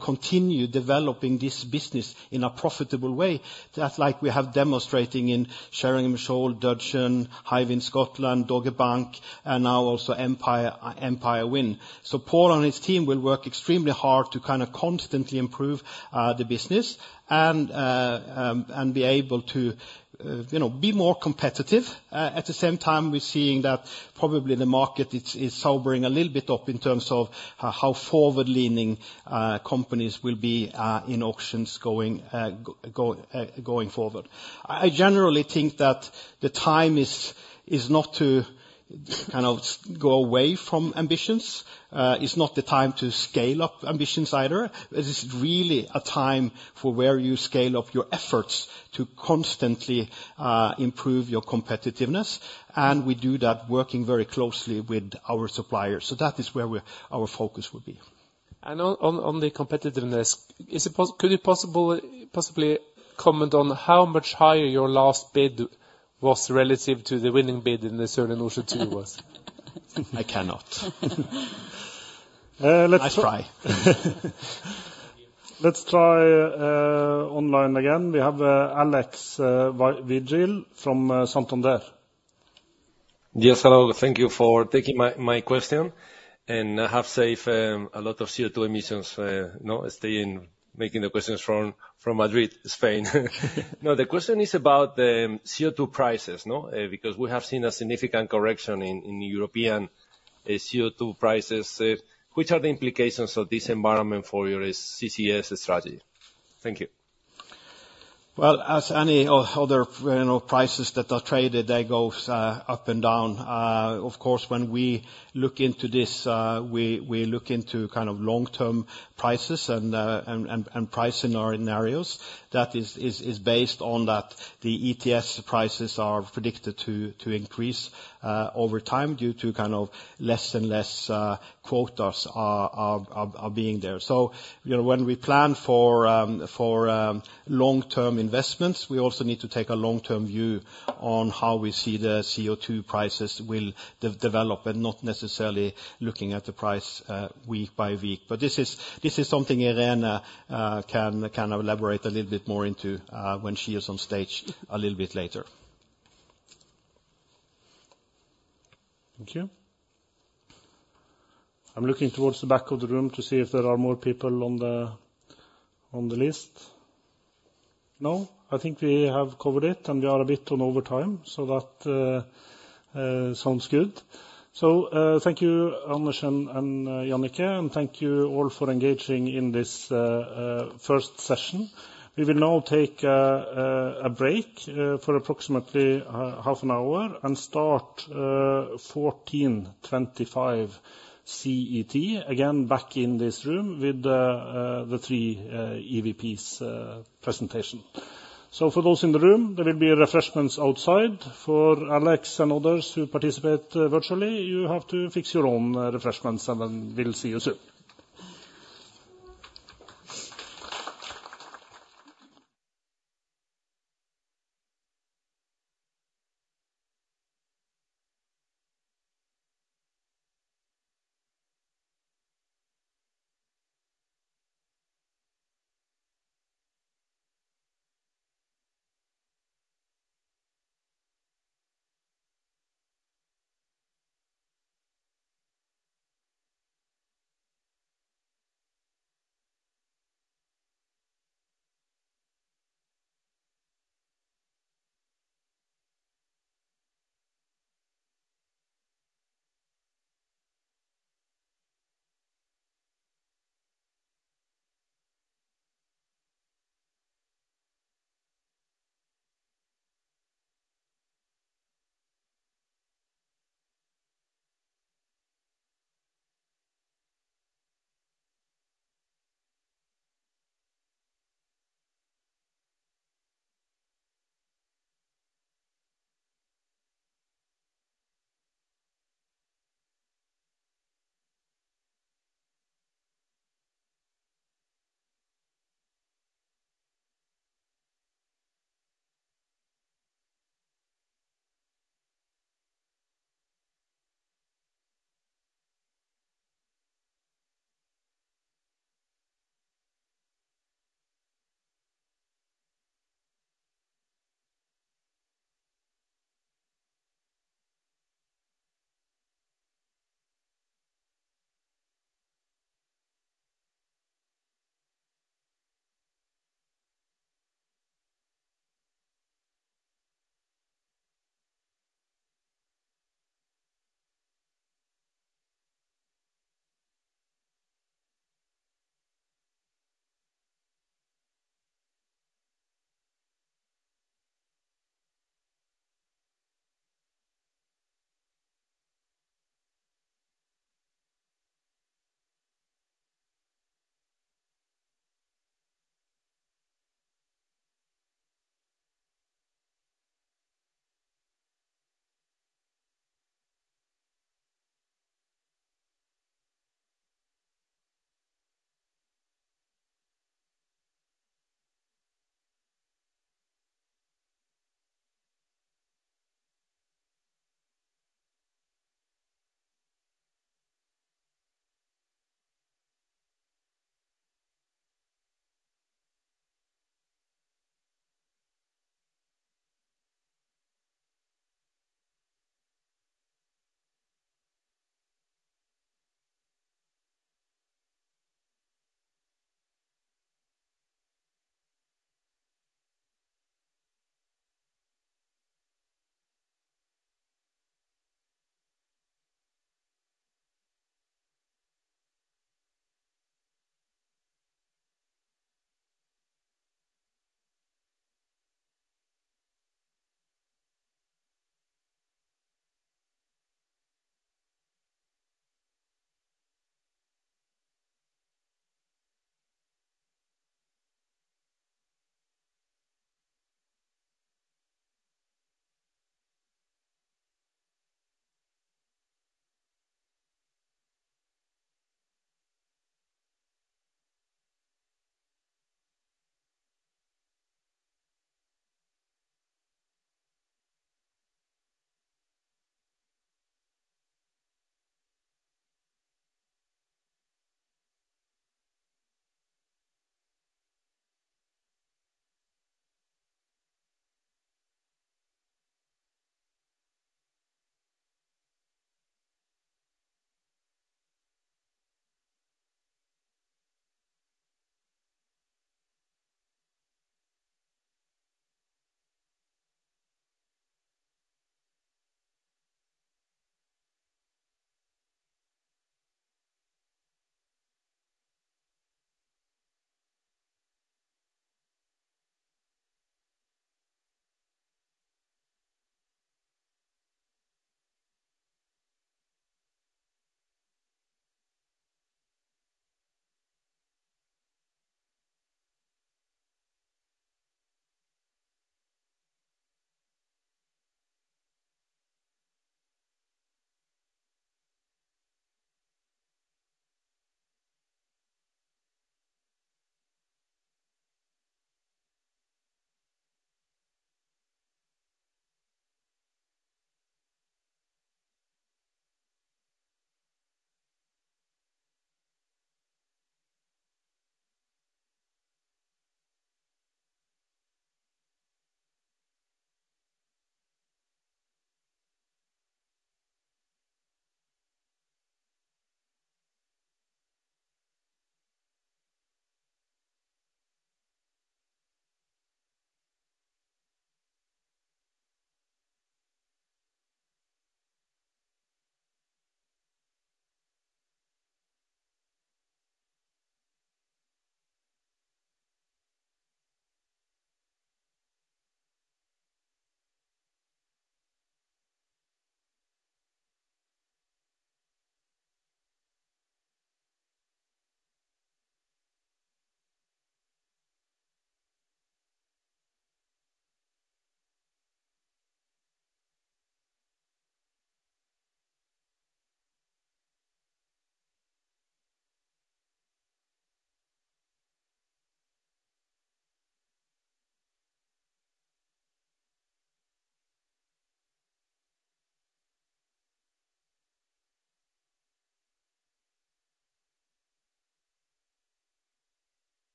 continue developing this business in a profitable way. That's like we have demonstrating in Sheringham Shoal, Dudgeon, Hywind Scotland, Dogger Bank, and now also Empire Wind. Pål and his team will work extremely hard to kind of constantly improve the business and be able to, you know, be more competitive. At the same time, we're seeing that probably the market is sobering a little bit up in terms of how forward-leaning companies will be in auctions going forward. I generally think that the time is not to kind of go away from ambitions. It's not the time to scale up ambitions either. This is really a time for where you scale up your efforts to constantly improve your competitiveness, and we do that working very closely with our suppliers. That is where our focus will be. On the competitiveness, could you possibly comment on how much higher your last bid was relative to the winning bid in the Sørlige Nordsjø II was? I cannot. Nice try. Let's try online again. We have Alex Virgil from Santander. Yes, hello. Thank you for taking my question and have saved a lot of CO2 emissions, you know, staying asking the questions from Madrid, Spain. The question is about CO2 prices? Because we have seen a significant correction in European CO2 prices. What are the implications of this environment for your CCS strategy? Thank you. Well, as any other, you know, prices that are traded, they goes up and down. Of course, when we look into this, we look into kind of long-term prices and price scenarios. That is based on that the ETS prices are predicted to increase over time due to kind of less and less quotas are being there. So, you know, when we plan for long-term investments, we also need to take a long-term view on how we see the CO2 prices will develop and not necessarily looking at the price week by week. This is something Irene can elaborate a little bit more into when she is on stage a little bit later. Thank you. I'm looking towards the back of the room to see if there are more people on the list. No, I think we have covered it, and we are a bit over time, so that sounds good. Thank you, Anders and Jannicke, and thank you all for engaging in this first session. We will now take a break for approximately half an hour and start 2:25 P.M. CET, again back in this room with the three EVPs presentation. For those in the room, there will be refreshments outside. For Alex and others who participate virtually, you have to fix your own refreshments, and then we'll see you soon.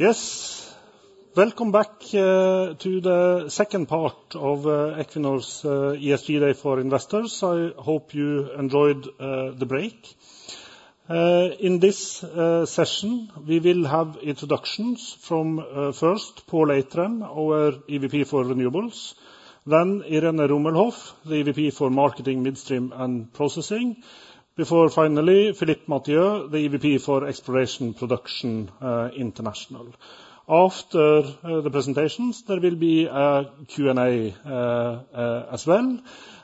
Welcome back to the second part of Equinor's ESG Day for Investors. I hope you enjoyed the break. In this session, we will have introductions from first Pål Eitrheim, our EVP for Renewables, then Irene Rummelhoff, the EVP for Marketing, Midstream & Processing. Before finally, Philippe Mathieu, the EVP for Exploration & Production International. After the presentations, there will be a Q&A as well.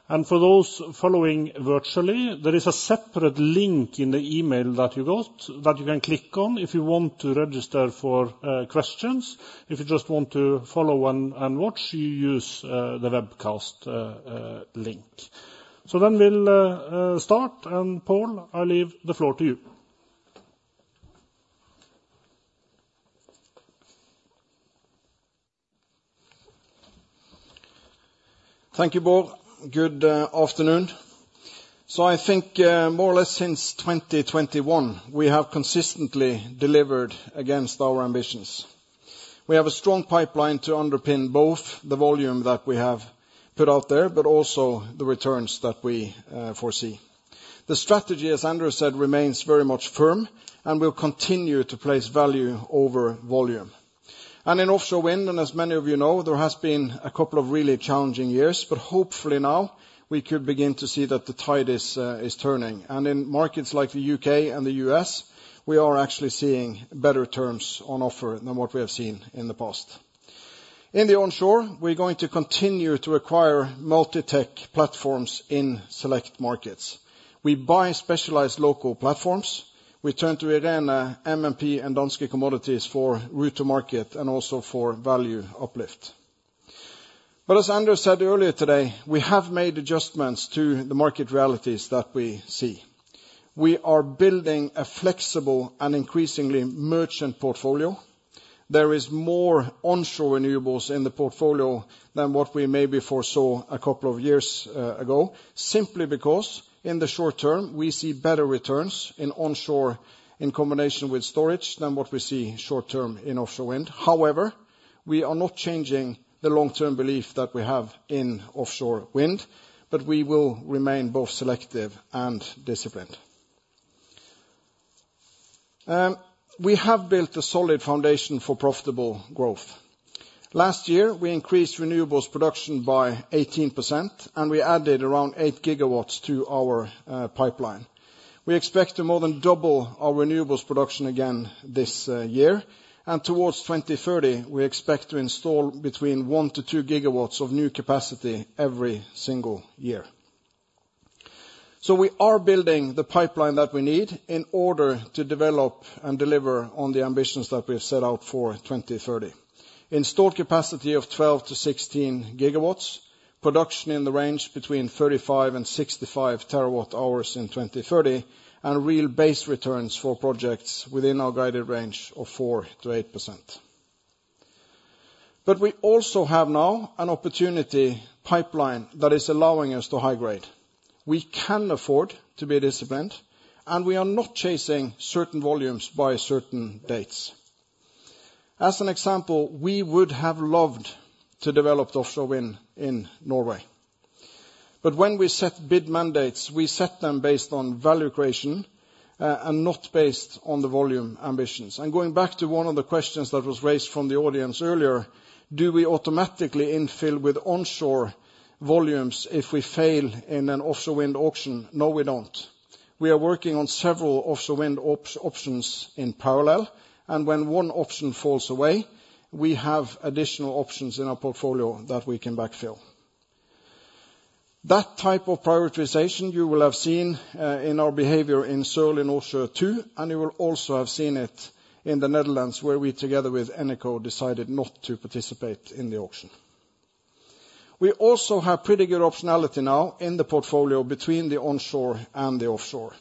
For those following virtually, there is a separate link in the email that you got that you can click on if you want to register for questions. If you just want to follow and watch, you use the webcast link. We'll start. Pål, I leave the floor to you. Thank you, Bård. Good afternoon. I think more or less since 2021, we have consistently delivered against our ambitions. We have a strong pipeline to underpin both the volume that we have put out there, but also the returns that we foresee. The strategy, as Anders Opedal said, remains very much firm, and we'll continue to place value over volume. In offshore wind, and as many of you know, there has been a couple of really challenging years, but hopefully now we could begin to see that the tide is turning. In markets like the U.K. and the U.S., we are actually seeing better terms on offer than what we have seen in the past. In the onshore, we're going to continue to acquire multi-tech platforms in select markets. We buy specialized local platforms. We turn to Irene, M&P, and Danske Commodities for route to market and also for value uplift. As Anders said earlier today, we have made adjustments to the market realities that we see. We are building a flexible and increasingly merchant portfolio. There is more onshore renewables in the portfolio than what we maybe foresaw a couple of years ago, simply because in the short term, we see better returns in onshore in combination with storage than what we see short term in offshore wind. However, we are not changing the long-term belief that we have in offshore wind, but we will remain both selective and disciplined. We have built a solid foundation for profitable growth. Last year, we increased renewables production by 18%, and we added around 8 GW to our pipeline. We expect to more than double our renewables production again this year, and towards 2030, we expect to install between 1-2 GW of new capacity every single year. We are building the pipeline that we need in order to develop and deliver on the ambitions that we have set out for 2030. Installed capacity of 12-16 GW, production in the range between 35-65 TWh in 2030, and real base returns for projects within our guided range of 4%-8%. We also have now an opportunity pipeline that is allowing us to high-grade. We can afford to be disciplined, and we are not chasing certain volumes by certain dates. As an example, we would have loved to develop the offshore wind in Norway. When we set bid mandates, we set them based on value creation, and not based on the volume ambitions. Going back to one of the questions that was raised from the audience earlier, do we automatically infill with onshore volumes if we fail in an offshore wind auction? No, we don't. We are working on several offshore wind options in parallel, and when one option falls away, we have additional options in our portfolio that we can backfill. That type of prioritization you will have seen in our behavior in the U.K. in offshore too, and you will also have seen it in the Netherlands, where we together with Eneco decided not to participate in the auction. We also have pretty good optionality now in the portfolio between the onshore and the offshore.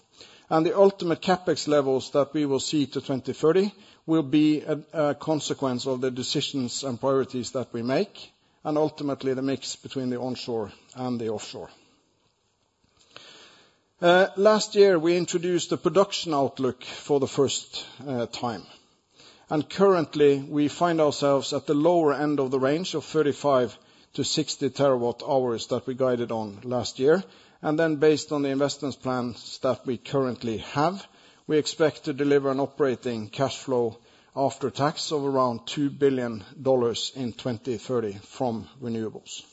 The ultimate CapEx levels that we will see to 2030 will be a consequence of the decisions and priorities that we make, and ultimately the mix between the onshore and the offshore. Last year, we introduced the production outlook for the first time. Currently, we find ourselves at the lower end of the range of 35-60 TWh that we guided on last year. Then based on the investments plans that we currently have, we expect to deliver an operating cash flow after tax of around $2 billion in 2030 from renewables.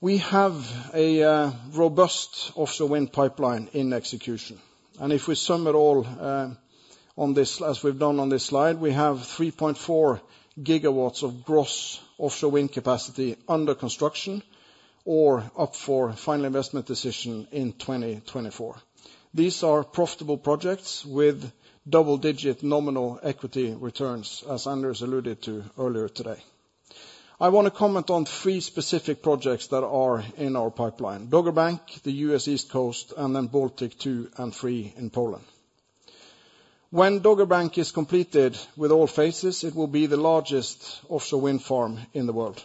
We have a robust offshore wind pipeline in execution. If we sum it all on this, as we've done on this slide, we have 3.4 GW of gross offshore wind capacity under construction or up for final investment decision in 2024. These are profitable projects with double-digit nominal equity returns, as Anders alluded to earlier today. I want to comment on three specific projects that are in our pipeline, Dogger Bank, the U.S. East Coast, and then Baltic 2 and 3 in Poland. When Dogger Bank is completed with all phases, it will be the largest offshore wind farm in the world.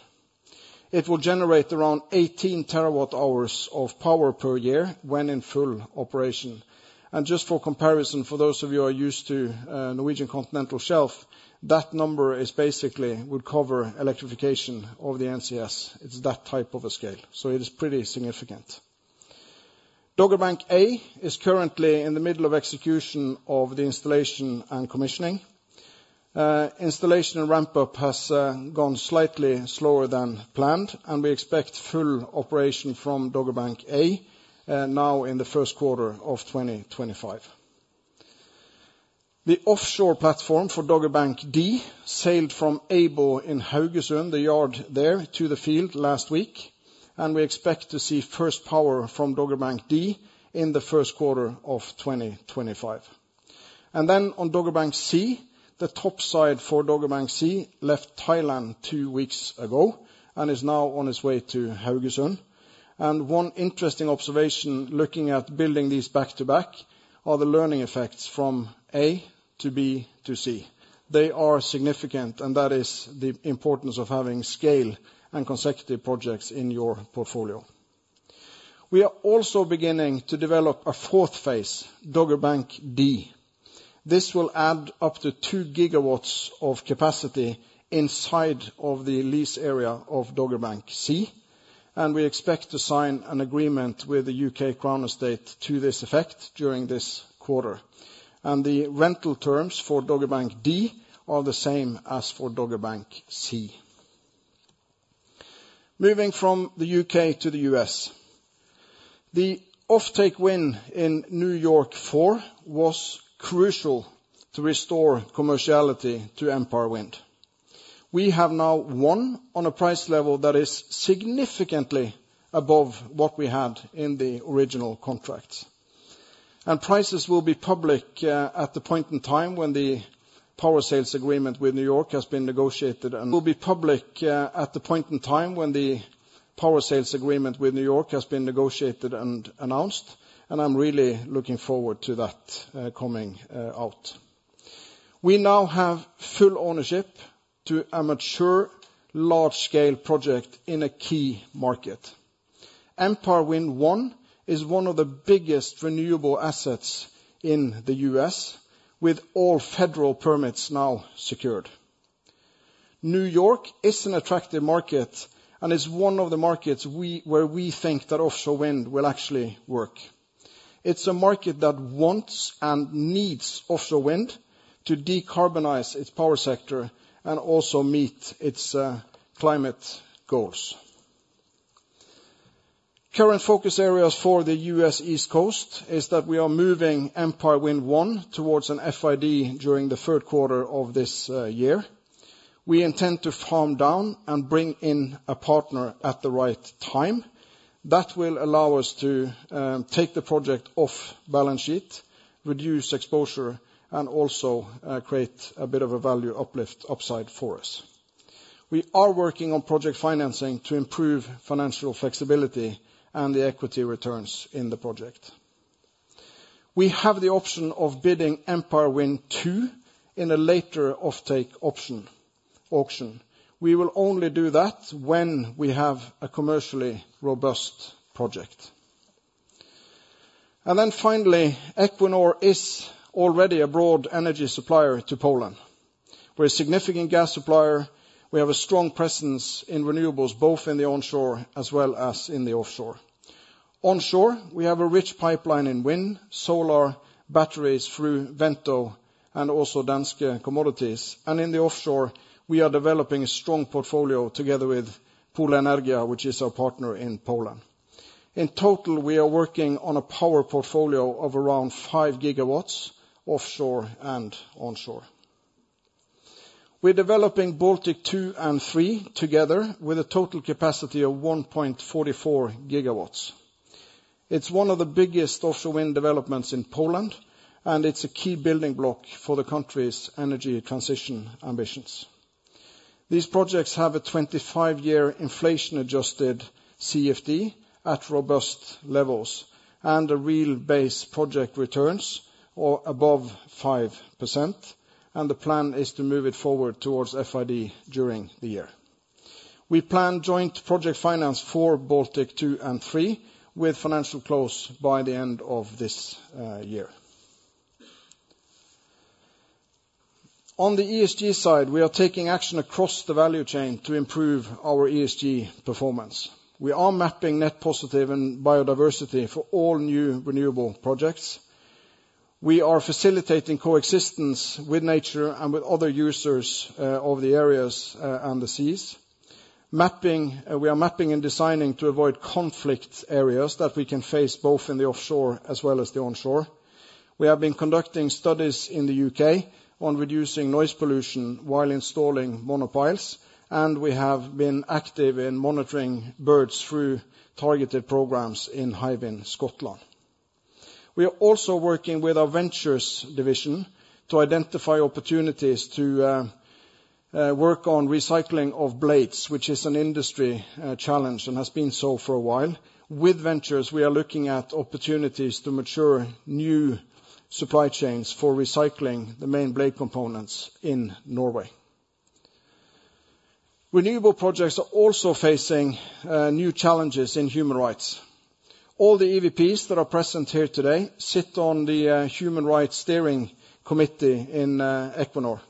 It will generate around 18 TWh of power per year when in full operation. Just for comparison, for those of you who are used to Norwegian continental shelf, that number is basically would cover electrification of the NCS. It's that type of a scale. It is pretty significant. Dogger Bank A is currently in the middle of execution of the installation and commissioning. Installation and ramp-up has gone slightly slower than planned, and we expect full operation from Dogger Bank A now in the first quarter of 2025. The offshore platform for Dogger Bank B sailed from Aibel in Haugesund, the yard there to the field last week, and we expect to see first power from Dogger Bank B in the first quarter of 2025. Then on Dogger Bank C, the topside for Dogger Bank C left Thailand two weeks ago and is now on its way to Haugesund. One interesting observation looking at building these back-to-back are the learning effects from A to B to C. They are significant, and that is the importance of having scale and consecutive projects in your portfolio. We are also beginning to develop a fourth phase, Dogger Bank D. This will add up to 2 GW of capacity inside of the lease area of Dogger Bank C, and we expect to sign an agreement with The Crown Estate to this effect during this quarter. The rental terms for Dogger Bank D are the same as for Dogger Bank C. Moving from the U.K. to the U.S. The offtake win in New York 4 was crucial to restore commerciality to Empire Wind. We have now won on a price level that is significantly above what we had in the original contract. Prices will be public at the point in time when the power sales agreement with New York has been negotiated and announced, and I'm really looking forward to that coming out. We now have full ownership to a mature large-scale project in a key market. Empire Wind 1 is one of the biggest renewable assets in the U.S. with all federal permits now secured. New York is an attractive market and is one of the markets where we think that offshore wind will actually work. It's a market that wants and needs offshore wind to decarbonize its power sector and also meet its climate goals. Current focus areas for the U.S. East Coast is that we are moving Empire Wind 1 towards an FID during the third quarter of this year. We intend to farm down and bring in a partner at the right time. That will allow us to take the project off balance sheet, reduce exposure, and also create a bit of a value uplift upside for us. We are working on project financing to improve financial flexibility and the equity returns in the project. We have the option of bidding Empire Wind 2 in a later offtake option, auction. We will only do that when we have a commercially robust project. Finally, Equinor is already a broad energy supplier to Poland. We're a significant gas supplier. We have a strong presence in renewables, both in the onshore as well as in the offshore. Onshore, we have a rich pipeline in wind, solar, batteries through Wento and also Danske Commodities. In the offshore, we are developing a strong portfolio together with Polenergia, which is our partner in Poland. In total, we are working on a power portfolio of around five GW offshore and onshore. We're developing Baltic 2 and 3 together with a total capacity of 1.44 GW. It's one of the biggest offshore wind developments in Poland, and it's a key building block for the country's energy transition ambitions. These projects have a 25-year inflation adjusted CFD at robust levels and a real base project returns or above 5%, and the plan is to move it forward towards FID during the year. We plan joint project finance for Baltic 2 and 3 with financial close by the end of this year. On the ESG side, we are taking action across the value chain to improve our ESG performance. We are mapping net positive and biodiversity for all new renewable projects. We are facilitating coexistence with nature and with other users of the areas and the seas. We are mapping and designing to avoid conflict areas that we can face both in the offshore as well as the onshore. We have been conducting studies in the U.K. on reducing noise pollution while installing monopiles, and we have been active in monitoring birds through targeted programs in Hywind Scotland. We are also working with our ventures division to identify opportunities to work on recycling of blades, which is an industry challenge and has been so for a while. With ventures, we are looking at opportunities to mature new supply chains for recycling the main blade components in Norway. Renewable projects are also facing new challenges in human rights. All the EVPs that are present here today sit on the Human Rights Steering Committee in Equinor.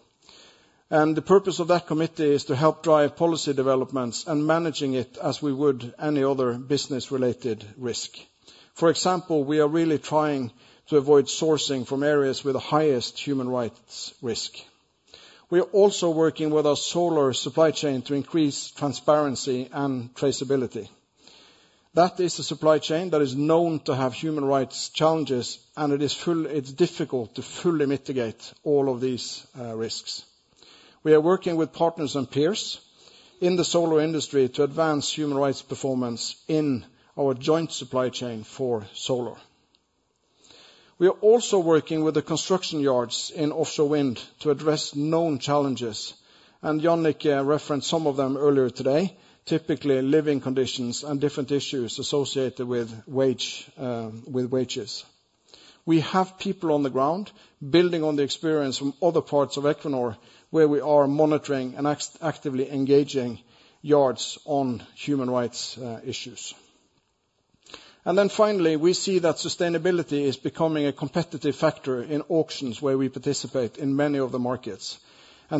The purpose of that committee is to help drive policy developments and managing it as we would any other business-related risk. For example, we are really trying to avoid sourcing from areas with the highest human rights risk. We are also working with our solar supply chain to increase transparency and traceability. That is a supply chain that is known to have human rights challenges, and it's difficult to fully mitigate all of these risks. We are working with partners and peers in the solar industry to advance human rights performance in our joint supply chain for solar. We are also working with the construction yards in offshore wind to address known challenges, and Jannicke referenced some of them earlier today, typically living conditions and different issues associated with wages. We have people on the ground building on the experience from other parts of Equinor, where we are monitoring and actively engaging yards on human rights issues. Then finally, we see that sustainability is becoming a competitive factor in auctions where we participate in many of the markets.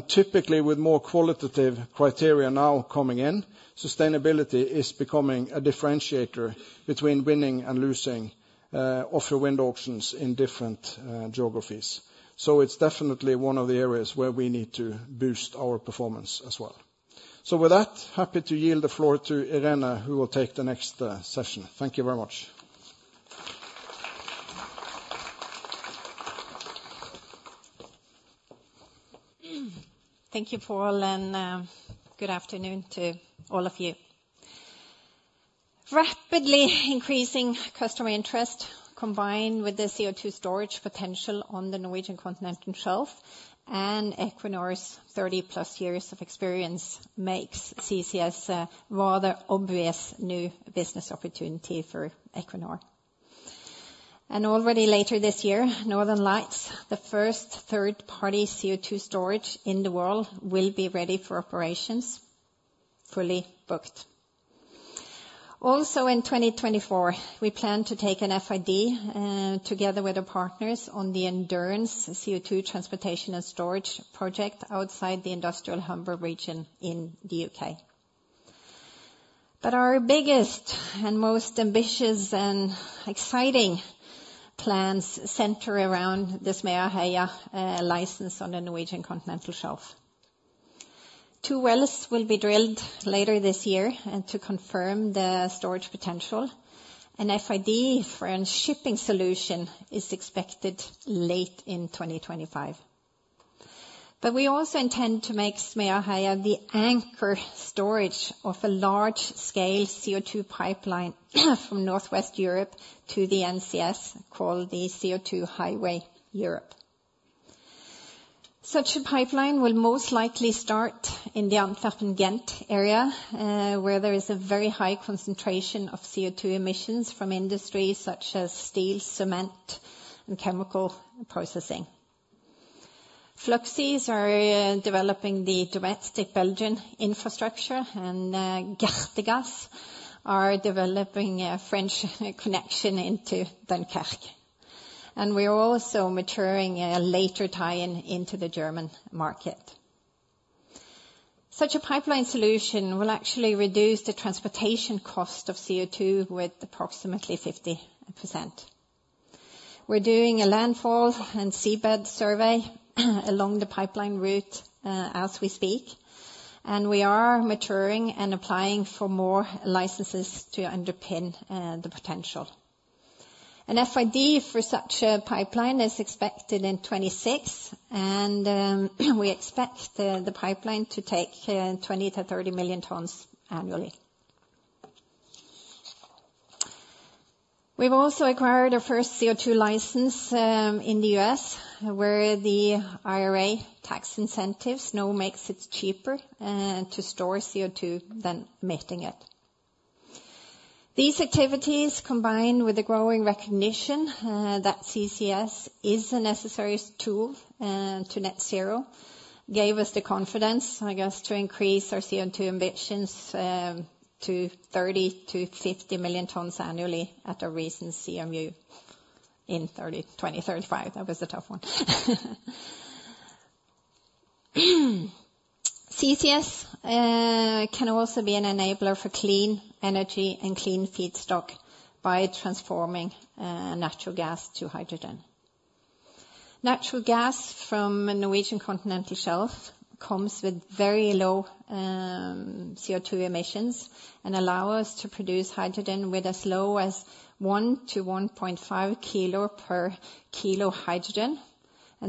Typically with more qualitative criteria now coming in, sustainability is becoming a differentiator between winning and losing offshore wind auctions in different geographies. It's definitely one of the areas where we need to boost our performance as well. With that, happy to yield the floor to Irene, who will take the next session. Thank you very much. Thank you, Pål, and good afternoon to all of you. Rapidly increasing customer interest combined with the CO2 storage potential on the Norwegian Continental Shelf and Equinor's thirty-plus years of experience makes CCS a rather obvious new business opportunity for Equinor. Already later this year, Northern Lights, the first third-party CO2 storage in the world, will be ready for operations, fully booked. Also in 2024, we plan to take an FID together with the partners on the Endurance CO2 transportation and storage project outside the industrial Humber region in the U.K. Our biggest and most ambitious and exciting plans center around the Smeaheia license on the Norwegian Continental Shelf. Two wells will be drilled later this year and to confirm the storage potential. An FID for a shipping solution is expected late in 2025. We also intend to make Smeaheia the anchor storage of a large-scale CO2 pipeline from Northwest Europe to the NCS called the CO2 Highway Europe. Such a pipeline will most likely start in the Antwerp and Ghent area, where there is a very high concentration of CO2 emissions from industries such as steel, cement, and chemical processing. Fluxys are developing the domestic Belgian infrastructure, and GRTgaz are developing a French connection into Dunkirk. We're also maturing a later tie-in into the German market. Such a pipeline solution will actually reduce the transportation cost of CO2 with approximately 50%. We're doing a landfall and seabed survey along the pipeline route as we speak, and we are maturing and applying for more licenses to underpin the potential. An FID for such a pipeline is expected in 2026, and we expect the pipeline to take 20-30 million tons annually. We've also acquired our first CO2 license in the U.S., where the IRA tax incentives now makes it cheaper to store CO2 than emitting it. These activities, combined with the growing recognition that CCS is a necessary tool to net zero, gave us the confidence, I guess, to increase our CO2 ambitions to 30-50 million tons annually at a recent CMU in 2035. That was a tough one. CCS can also be an enabler for clean energy and clean feedstock by transforming natural gas to hydrogen. Natural gas from the Norwegian Continental Shelf comes with very low CO2 emissions and allow us to produce hydrogen with as low as 1-1.5 kg per kg hydrogen.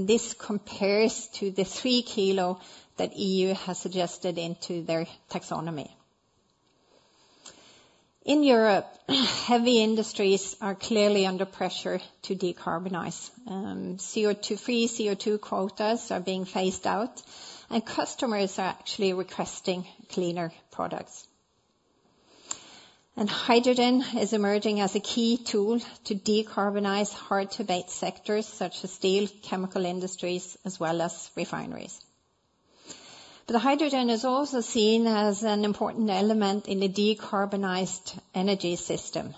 This compares to the 3 kg that EU has adjusted into their taxonomy. In Europe, heavy industries are clearly under pressure to decarbonize. CO2-free CO2 quotas are being phased out, and customers are actually requesting cleaner products. Hydrogen is emerging as a key tool to decarbonize hard-to-abate sectors such as steel, chemical industries, as well as refineries. The hydrogen is also seen as an important element in the decarbonized energy system.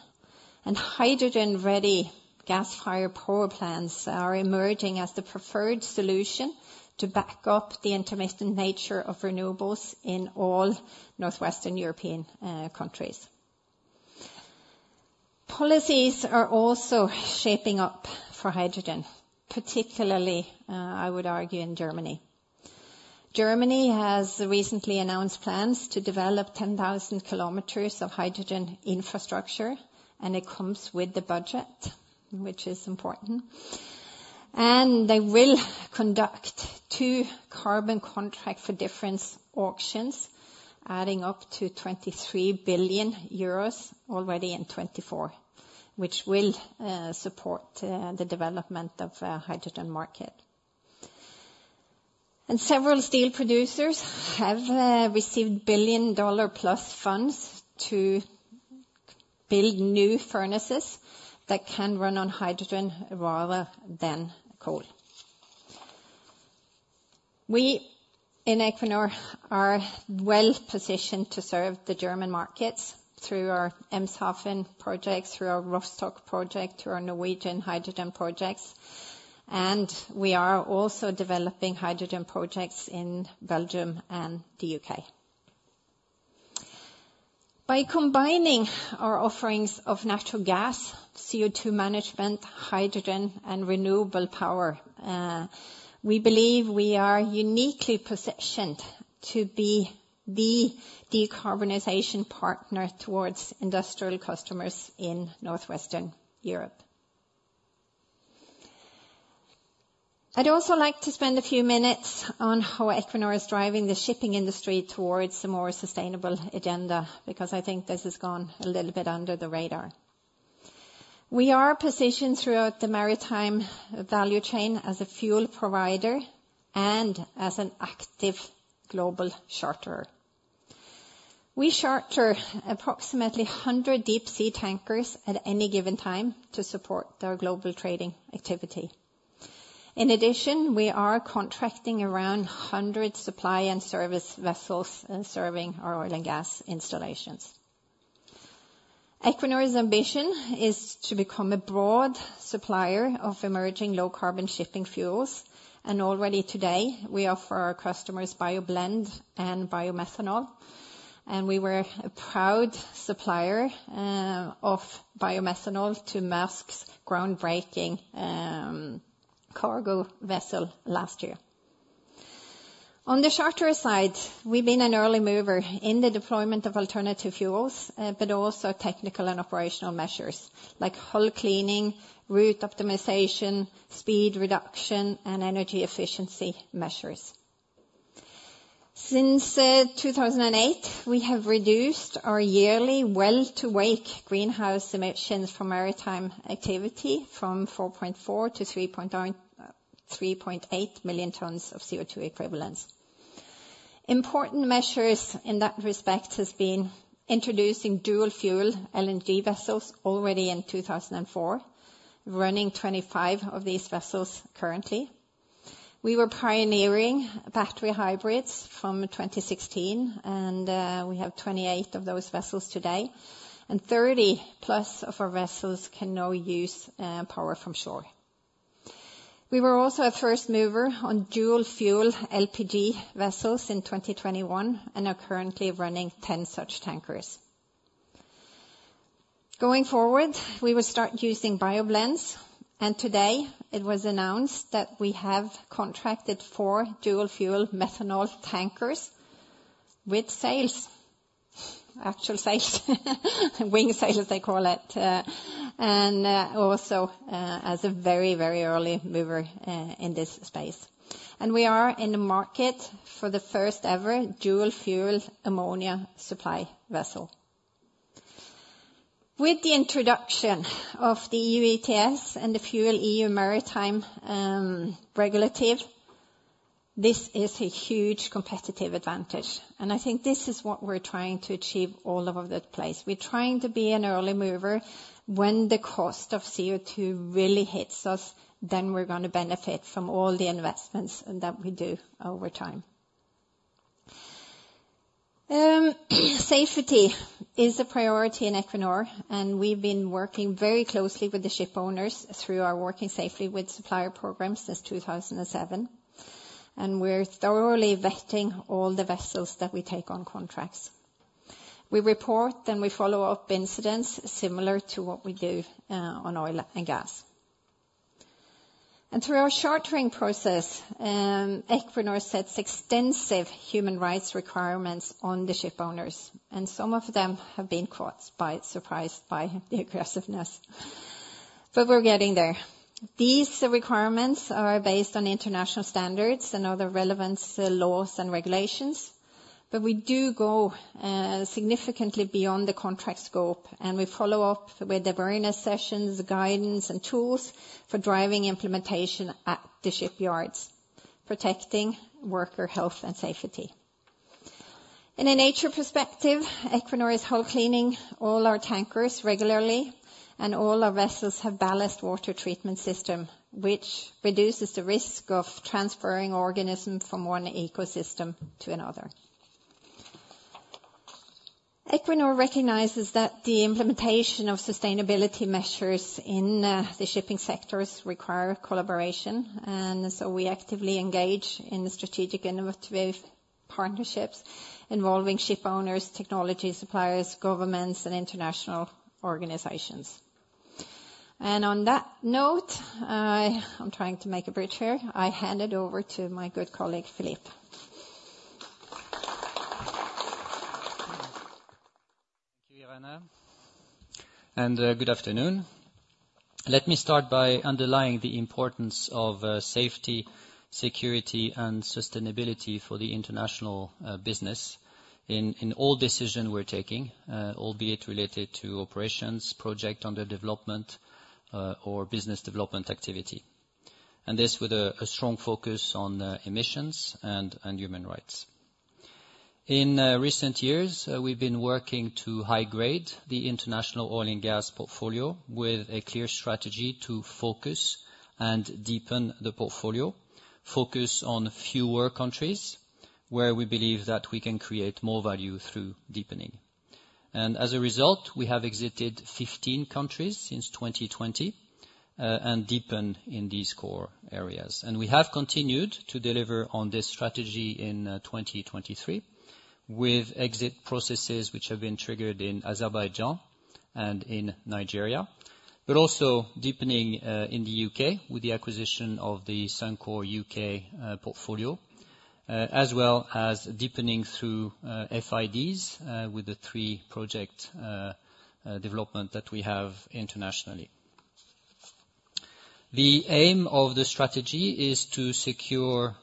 Hydrogen-ready gas-fired power plants are emerging as the preferred solution to back up the intermittent nature of renewables in all northwestern European countries. Policies are also shaping up for hydrogen, particularly, I would argue, in Germany. Germany has recently announced plans to develop 10,000 kilometers of hydrogen infrastructure, and it comes with the budget, which is important. They will conduct two carbon contracts for difference auctions adding up to 23 billion euros already in 2024, which will support the development of a hydrogen market. Several steel producers have received billion-dollar-plus funds to build new furnaces that can run on hydrogen rather than coal. We in Equinor are well positioned to serve the German markets through our Eemshaven project, through our Rostock project, through our Norwegian hydrogen projects, and we are also developing hydrogen projects in Belgium and the U.K. By combining our offerings of natural gas, CO2 management, hydrogen, and renewable power, we believe we are uniquely positioned to be the decarbonization partner towards industrial customers in northwestern Europe. I'd also like to spend a few minutes on how Equinor is driving the shipping industry towards a more sustainable agenda, because I think this has gone a little bit under the radar. We are positioned throughout the maritime value chain as a fuel provider and as an active global charterer. We charter approximately 100 deep sea tankers at any given time to support our global trading activity. In addition, we are contracting around 100 supply and service vessels serving our oil and gas installations. Equinor's ambition is to become a broad supplier of emerging low carbon shipping fuels, and already today we offer our customers bioblend and bio-methanol, and we were a proud supplier of bio-methanol to Maersk's groundbreaking cargo vessel last year. On the charter side, we've been an early mover in the deployment of alternative fuels, but also technical and operational measures like hull cleaning, route optimization, speed reduction, and energy efficiency measures. Since 2008, we have reduced our yearly well to wake greenhouse emissions from maritime activity from 4.4 to 3.8 million tons of CO2 equivalents. Important measures in that respect has been introducing dual fuel LNG vessels already in 2004. Running 25 of these vessels currently. We were pioneering battery hybrids from 2016 and we have 28 of those vessels today, and 30+ of our vessels can now use power from shore. We were also a first mover on dual fuel LPG vessels in 2021 and are currently running 10 such tankers. Going forward, we will start using bioblends, and today it was announced that we have contracted 4 dual fuel methanol tankers with sails, actual sails, wing sails they call it, and also as a very, very early mover in this space. We are in the market for the first ever dual fuel ammonia supply vessel. With the introduction of the EU ETS and the FuelEU Maritime regulation, this is a huge competitive advantage, and I think this is what we're trying to achieve all over the place. We're trying to be an early mover when the cost of CO2 really hits us, then we're gonna benefit from all the investments that we do over time. Safety is a priority in Equinor, and we've been working very closely with the shipowners through our Working Safely with Supplier programs since 2007. We're thoroughly vetting all the vessels that we take on contracts. We report and we follow up incidents similar to what we do on oil and gas. Through our chartering process, Equinor sets extensive human rights requirements on the shipowners, and some of them have been caught by surprise by the aggressiveness. We're getting there. These requirements are based on international standards and other relevant laws and regulations, but we do go significantly beyond the contract scope, and we follow up with awareness sessions, guidance and tools for driving implementation at the shipyards, protecting worker health and safety. In a nature perspective, Equinor is hull cleaning all our tankers regularly, and all our vessels have ballast water treatment system, which reduces the risk of transferring organisms from one ecosystem to another. Equinor recognizes that the implementation of sustainability measures in the shipping sectors require collaboration, and so we actively engage in strategic and innovative partnerships involving shipowners, technology suppliers, governments, and international organizations. On that note, I'm trying to make a bridge here. I hand it over to my good colleague, Philippe. Thank you, Irene Rummelhoff. Good afternoon. Let me start by underlining the importance of safety, security, and sustainability for the international business in all decisions we're taking, albeit related to operations, projects under development, or business development activity. This with a strong focus on emissions and human rights. In recent years, we've been working to high grade the international oil and gas portfolio with a clear strategy to focus and deepen the portfolio, focus on fewer countries where we believe that we can create more value through deepening. As a result, we have exited 15 countries since 2020, and deepened in these core areas. We have continued to deliver on this strategy in 2023 with exit processes which have been triggered in Azerbaijan and in Nigeria, but also deepening in the U.K. with the acquisition of the Suncor Energy U.K. portfolio. As well as deepening through FIDs with the three projects development that we have internationally. The aim of the strategy is to secure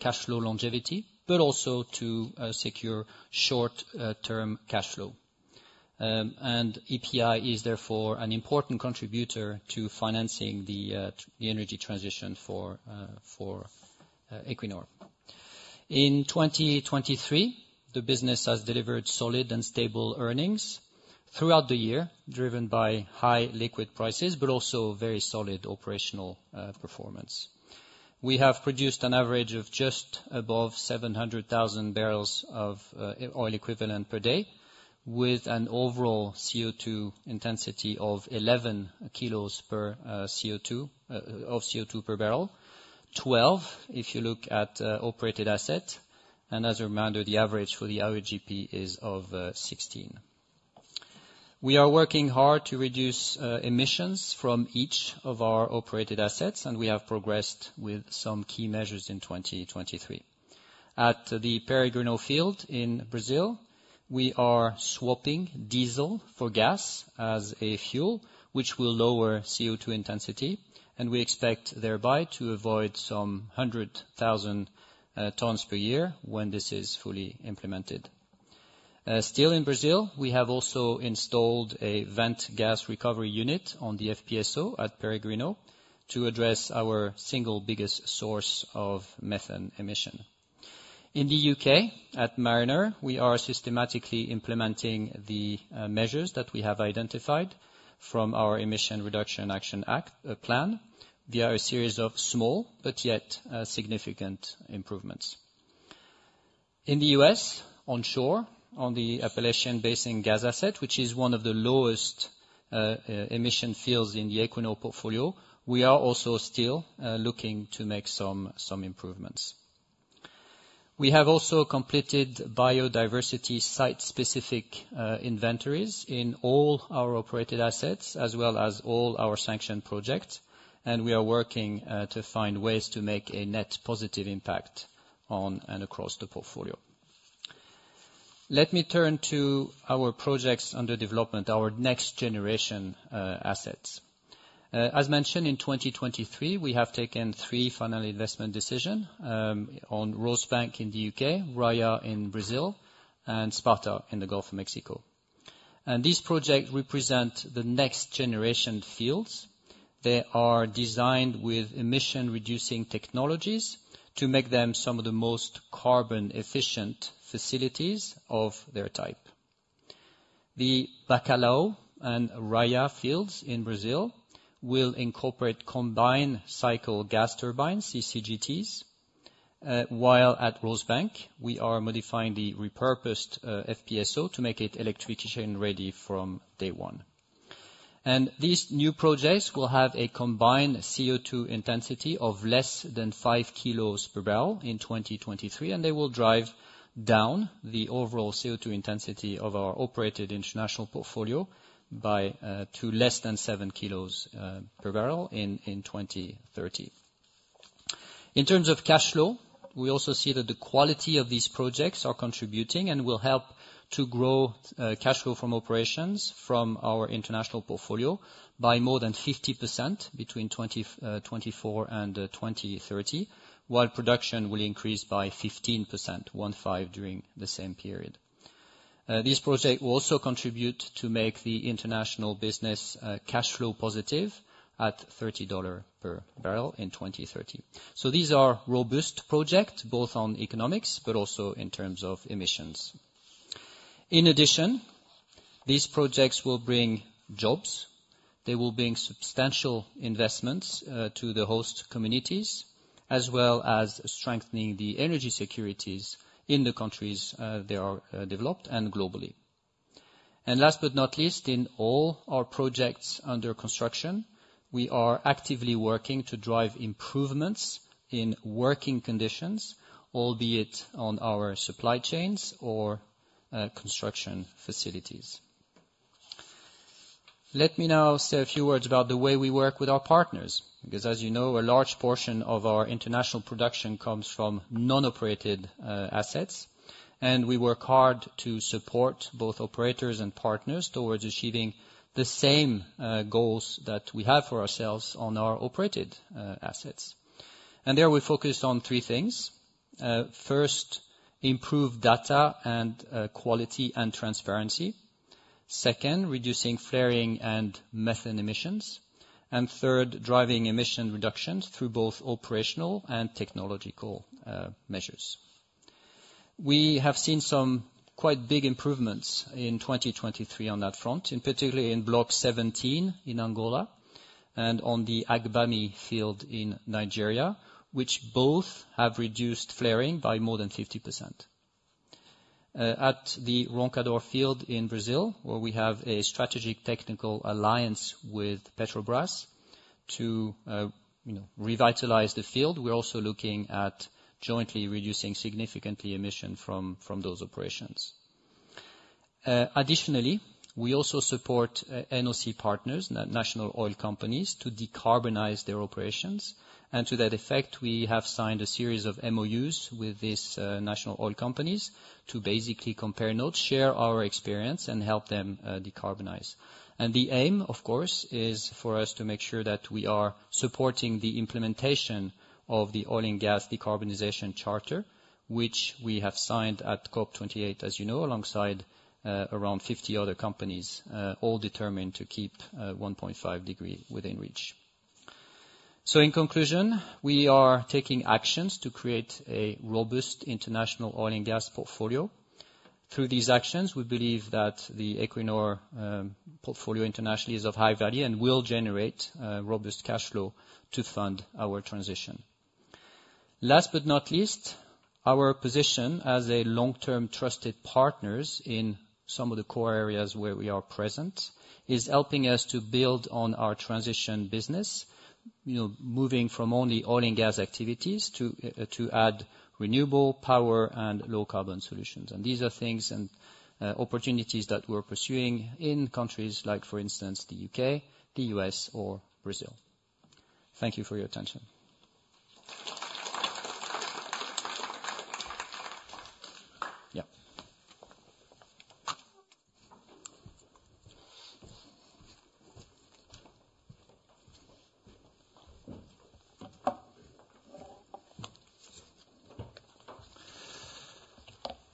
cash flow longevity, but also to secure short-term cash flow. EPI is therefore an important contributor to financing the energy transition for Equinor. In 2023, the business has delivered solid and stable earnings throughout the year, driven by high liquids prices, but also very solid operational performance. We have produced an average of just above 700,000 barrels of oil equivalent per day, with an overall CO₂ intensity of 11 kg CO₂ per barrel. Twelve if you look at operated asset. As a reminder, the average for the average GP is of sixteen. We are working hard to reduce emissions from each of our operated assets, and we have progressed with some key measures in 2023. At the Peregrino field in Brazil, we are swapping diesel for gas as a fuel, which will lower CO₂ intensity, and we expect thereby to avoid some 100,000 tons per year when this is fully implemented. Still in Brazil, we have also installed a vent gas recovery unit on the FPSO at Peregrino to address our single biggest source of methane emission. In the U.K., at Mariner, we are systematically implementing the measures that we have identified from our Emission Reduction action plan via a series of small but yet significant improvements. In the U.S., onshore, on the Appalachian Basin gas asset, which is one of the lowest emission fields in the Equinor portfolio, we are also still looking to make some improvements. We have also completed biodiversity site-specific inventories in all our operated assets, as well as all our sanctioned projects, and we are working to find ways to make a net positive impact on and across the portfolio. Let me turn to our projects under development, our next generation assets. As mentioned, in 2023, we have taken three final investment decision on Rosebank in the U.K., Raia in Brazil, and Sparta in the Gulf of Mexico. These projects represent the next generation fields. They are designed with emission-reducing technologies to make them some of the most carbon efficient facilities of their type. The Bacalhau and Raia fields in Brazil will incorporate combined cycle gas turbines, CCGTs, while at Rosebank, we are modifying the repurposed FPSO to make it electric chain ready from day one. These new projects will have a combined CO₂ intensity of less than five kilos per barrel in 2023, and they will drive down the overall CO₂ intensity of our operated international portfolio to less than seven kilos per barrel in 2030. In terms of cashflow, we also see that the quality of these projects are contributing and will help to grow cashflow from operations from our international portfolio by more than 50% between 2024 and 2030, while production will increase by 15% during the same period. This project will also contribute to make the international business cashflow positive at $30 per barrel in 2030. These are robust project, both on economics, but also in terms of emissions. In addition, these projects will bring jobs. They will bring substantial investments to the host communities, as well as strengthening the energy securities in the countries they are developed and globally. Last but not least, in all our projects under construction, we are actively working to drive improvements in working conditions, albeit on our supply chains or construction facilities. Let me now say a few words about the way we work with our partners, because as you know, a large portion of our international production comes from non-operated assets, and we work hard to support both operators and partners towards achieving the same goals that we have for ourselves on our operated assets. There we focus on three things. First, improve data and quality and transparency. Second, reducing flaring and methane emissions. Third, driving emission reductions through both operational and technological measures. We have seen some quite big improvements in 2023 on that front, in particular in Block 17 in Angola and on the Agbami field in Nigeria, which both have reduced flaring by more than 50%. At the Roncador field in Brazil, where we have a strategic technical alliance with Petrobras to, you know, revitalize the field, we're also looking at jointly reducing significantly emissions from those operations. Additionally, we also support NOC partners, national oil companies, to decarbonize their operations. To that effect, we have signed a series of MOUs with these national oil companies to basically compare notes, share our experience, and help them decarbonize. The aim, of course, is for us to make sure that we are supporting the implementation of the Oil and Gas Decarbonization Charter, which we have signed at COP28, as you know, alongside around 50 other companies, all determined to keep 1.5 degree within reach. In conclusion, we are taking actions to create a robust international oil and gas portfolio. Through these actions, we believe that the Equinor portfolio internationally is of high value and will generate robust cash flow to fund our transition. Last but not least, our position as a long-term trusted partners in some of the core areas where we are present is helping us to build on our transition business, you know, moving from only oil and gas activities to add renewable power and low carbon solutions. These are things and opportunities that we're pursuing in countries like, for instance, the U.K., the U.S., or Brazil. Thank you for your attention.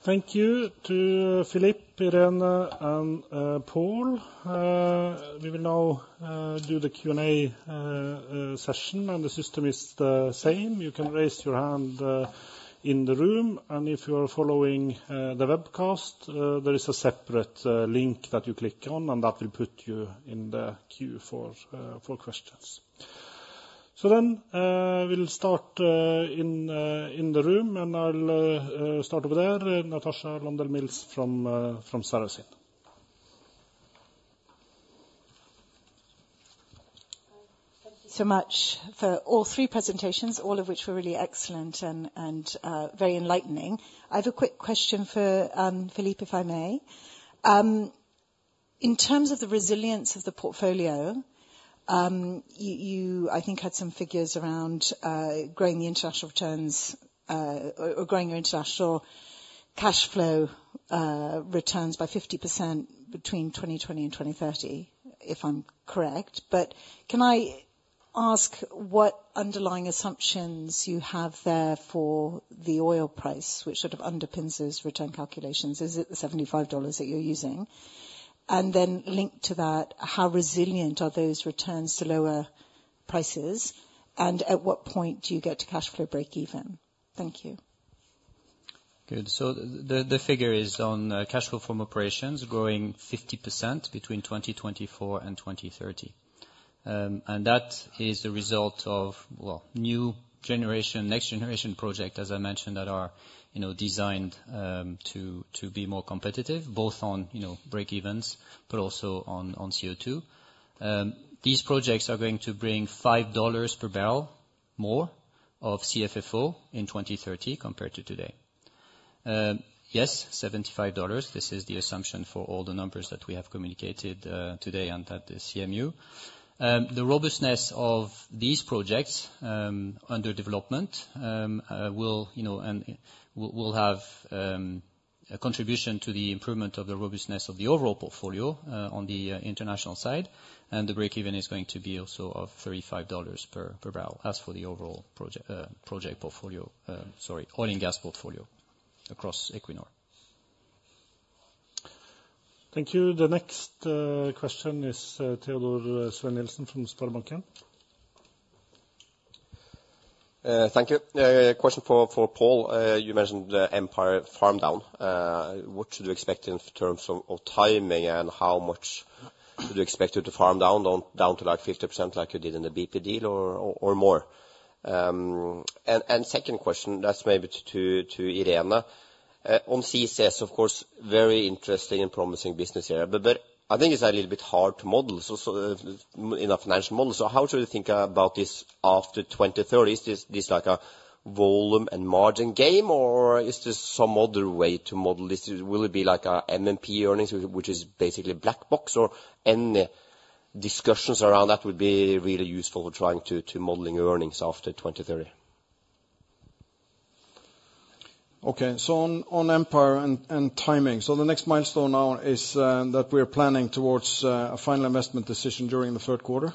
Yeah. Thank you to Philippe, Irene, and Pål. We will now do the Q&A session. The system is the same. You can raise your hand in the room, and if you are following the webcast, there is a separate link that you click on, and that will put you in the queue for questions. We'll start in the room, and I'll start over there, Natasha Landell-Mills from Sarasin & Partners. Thank you so much for all three presentations, all of which were really excellent and very enlightening. I have a quick question for Philippe, if I may. In terms of the resilience of the portfolio, you I think had some figures around growing the international returns, or growing your international cash flow returns by 50% between 2020 and 2030, if I'm correct. Can I ask what underlying assumptions you have there for the oil price, which sort of underpins those return calculations? Is it the $75 that you're using? Linked to that, how resilient are those returns to lower prices, and at what point do you get to cash flow breakeven? Thank you. Good. The figure is on cash flow from operations growing 50% between 2024 and 2030. That is the result of, well, new generation, next generation project, as I mentioned, that are, you know, designed to be more competitive, both on, you know, breakevens, but also on CO2. These projects are going to bring $5 per barrel more of CFFO in 2030 compared to today. Yes, $75, this is the assumption for all the numbers that we have communicated today and at the CMU. The robustness of these projects under development will, you know, have a contribution to the improvement of the robustness of the overall portfolio on the international side. The breakeven is going to be also of $35 per barrel. As for the overall project portfolio, oil and gas portfolio across Equinor. Thank you. The next question is, Teodor Sveen-Nilsen from SpareBank 1 Markets. Thank you. Yeah, question for Pål. You mentioned the Empire farm down. What should we expect in terms of timing, and how much should we expect you to farm down? Down to like 50% like you did in the BP deal or more? And second question that's maybe to Irene. On CCS, of course, very interesting and promising business area. But I think it's a little bit hard to model, so in a financial model. How should we think about this after 2030? Is this like a volume and margin game, or is this some other way to model this? Will it be like a M&P earnings which is basically black box or any discussions around that would be really useful for trying to modeling earnings after 2030. Okay. On Empire and timing. The next milestone now is that we are planning towards a final investment decision during the third quarter.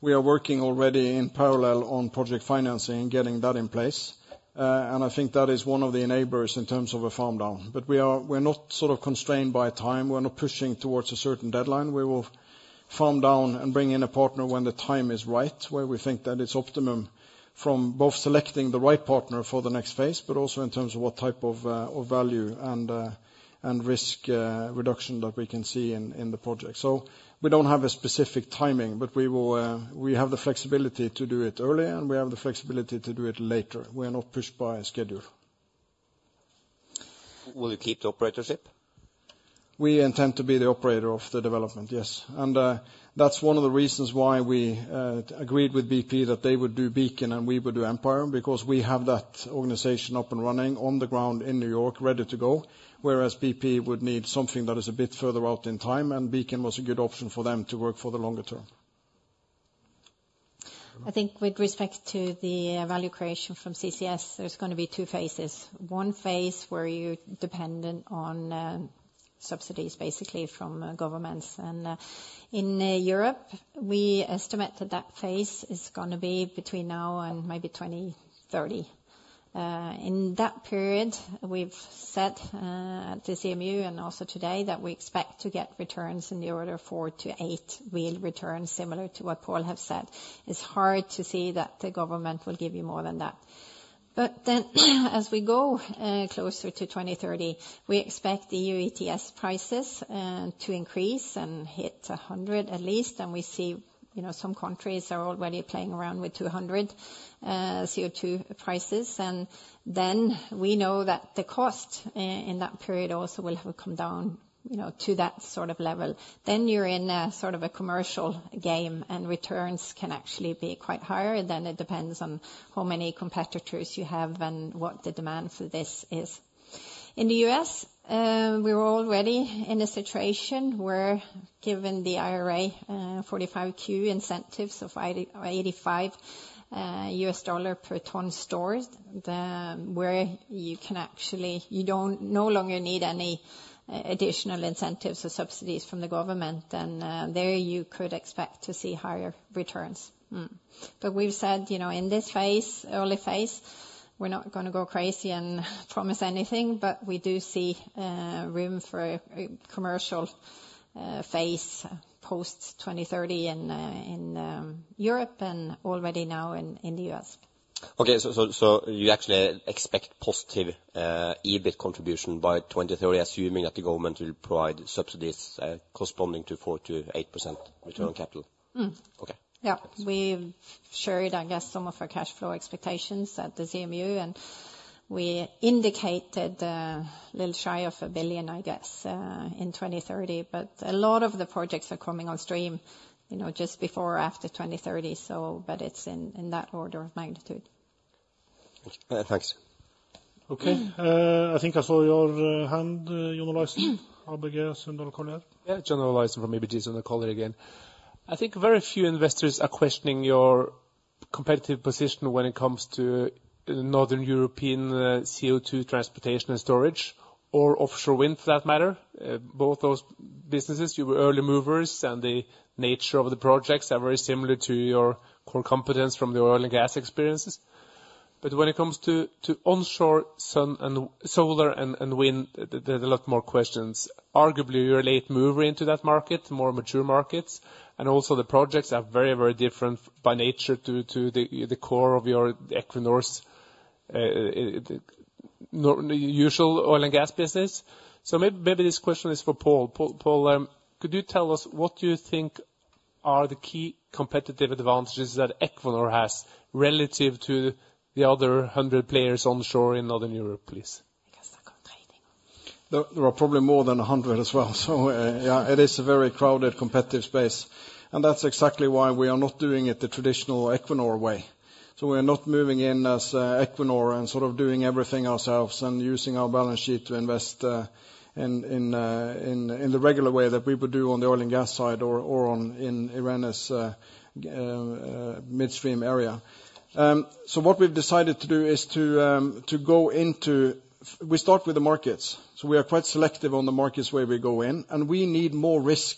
We are working already in parallel on project financing and getting that in place. I think that is one of the enablers in terms of a farm down. We are not sort of constrained by time. We are not pushing towards a certain deadline. We will farm down and bring in a partner when the time is right, where we think that it is optimum from both selecting the right partner for the next phase, but also in terms of what type of value and risk reduction that we can see in the project. We don't have a specific timing, but we will, we have the flexibility to do it earlier, and we have the flexibility to do it later. We're not pushed by a schedule. Will you keep the operatorship? We intend to be the operator of the development, yes. That's one of the reasons why we agreed with BP that they would do Beacon and we would do Empire, because we have that organization up and running on the ground in New York ready to go. Whereas BP would need something that is a bit further out in time, and Beacon was a good option for them to work for the longer term. I think with respect to the value creation from CCS, there's gonna be two phases. One phase where you're dependent on subsidies basically from governments. In Europe, we estimate that that phase is gonna be between now and maybe 2030. In that period we've set the CMU and also today that we expect to get returns in the order of four to eight real returns similar to what Pål have said. It's hard to see that the government will give you more than that. As we go closer to 2030, we expect the EU ETS prices to increase and hit 100 at least. We see, you know, some countries are already playing around with 200 CO2 prices. We know that the cost in that period also will have come down, you know, to that sort of level. You're in a sort of a commercial game, and returns can actually be quite higher. It depends on how many competitors you have and what the demand for this is. In the U.S., we're already in a situation where given the IRA, 45Q incentives of $85 per ton stored, you don't no longer need any additional incentives or subsidies from the government, and there you could expect to see higher returns. We've said, you know, in this phase, early phase, we're not gonna go crazy and promise anything, but we do see room for a commercial phase post 2030 in Europe and already now in the U.S.. You actually expect positive EBIT contribution by 2030, assuming that the government will provide subsidies corresponding to 4%-8% return on capital? Mm. Okay. We've shared, I guess, some of our cash flow expectations at the CMU, and we indicated a little shy of $1 billion, I guess, in 2030. But a lot of the projects are coming on stream, you know, just before or after 2030, so but it's in that order of magnitude. Okay. Thanks. Okay. I think I saw your hand, John Olaisen, ABG Sundal Collier. Yeah. John Olaisen from ABG Sundal Collier again. I think very few investors are questioning your competitive position when it comes to Northern European CO2 transportation and storage, or offshore wind for that matter. Both those businesses, you were early movers, and the nature of the projects are very similar to your core competence from your oil and gas experiences. When it comes to onshore solar and wind, there's a lot more questions. Arguably, you're a late mover into that market, more mature markets, and also the projects are very, very different by nature to the core of your Equinor's normal, usual oil and gas business. Maybe this question is for Pål. Pål, could you tell us what you think are the key competitive advantages that Equinor has relative to the other hundred players onshore in Northern Europe, please? I guess talk on trading. There are probably more than 100 as well. Yeah, it is a very crowded, competitive space, and that's exactly why we are not doing it the traditional Equinor way. We're not moving in as Equinor and sort of doing everything ourselves and using our balance sheet to invest in the regular way that we would do on the oil and gas side or on Irene's midstream area. What we've decided to do is to go into. We start with the markets. We are quite selective on the markets where we go in, and we need more risk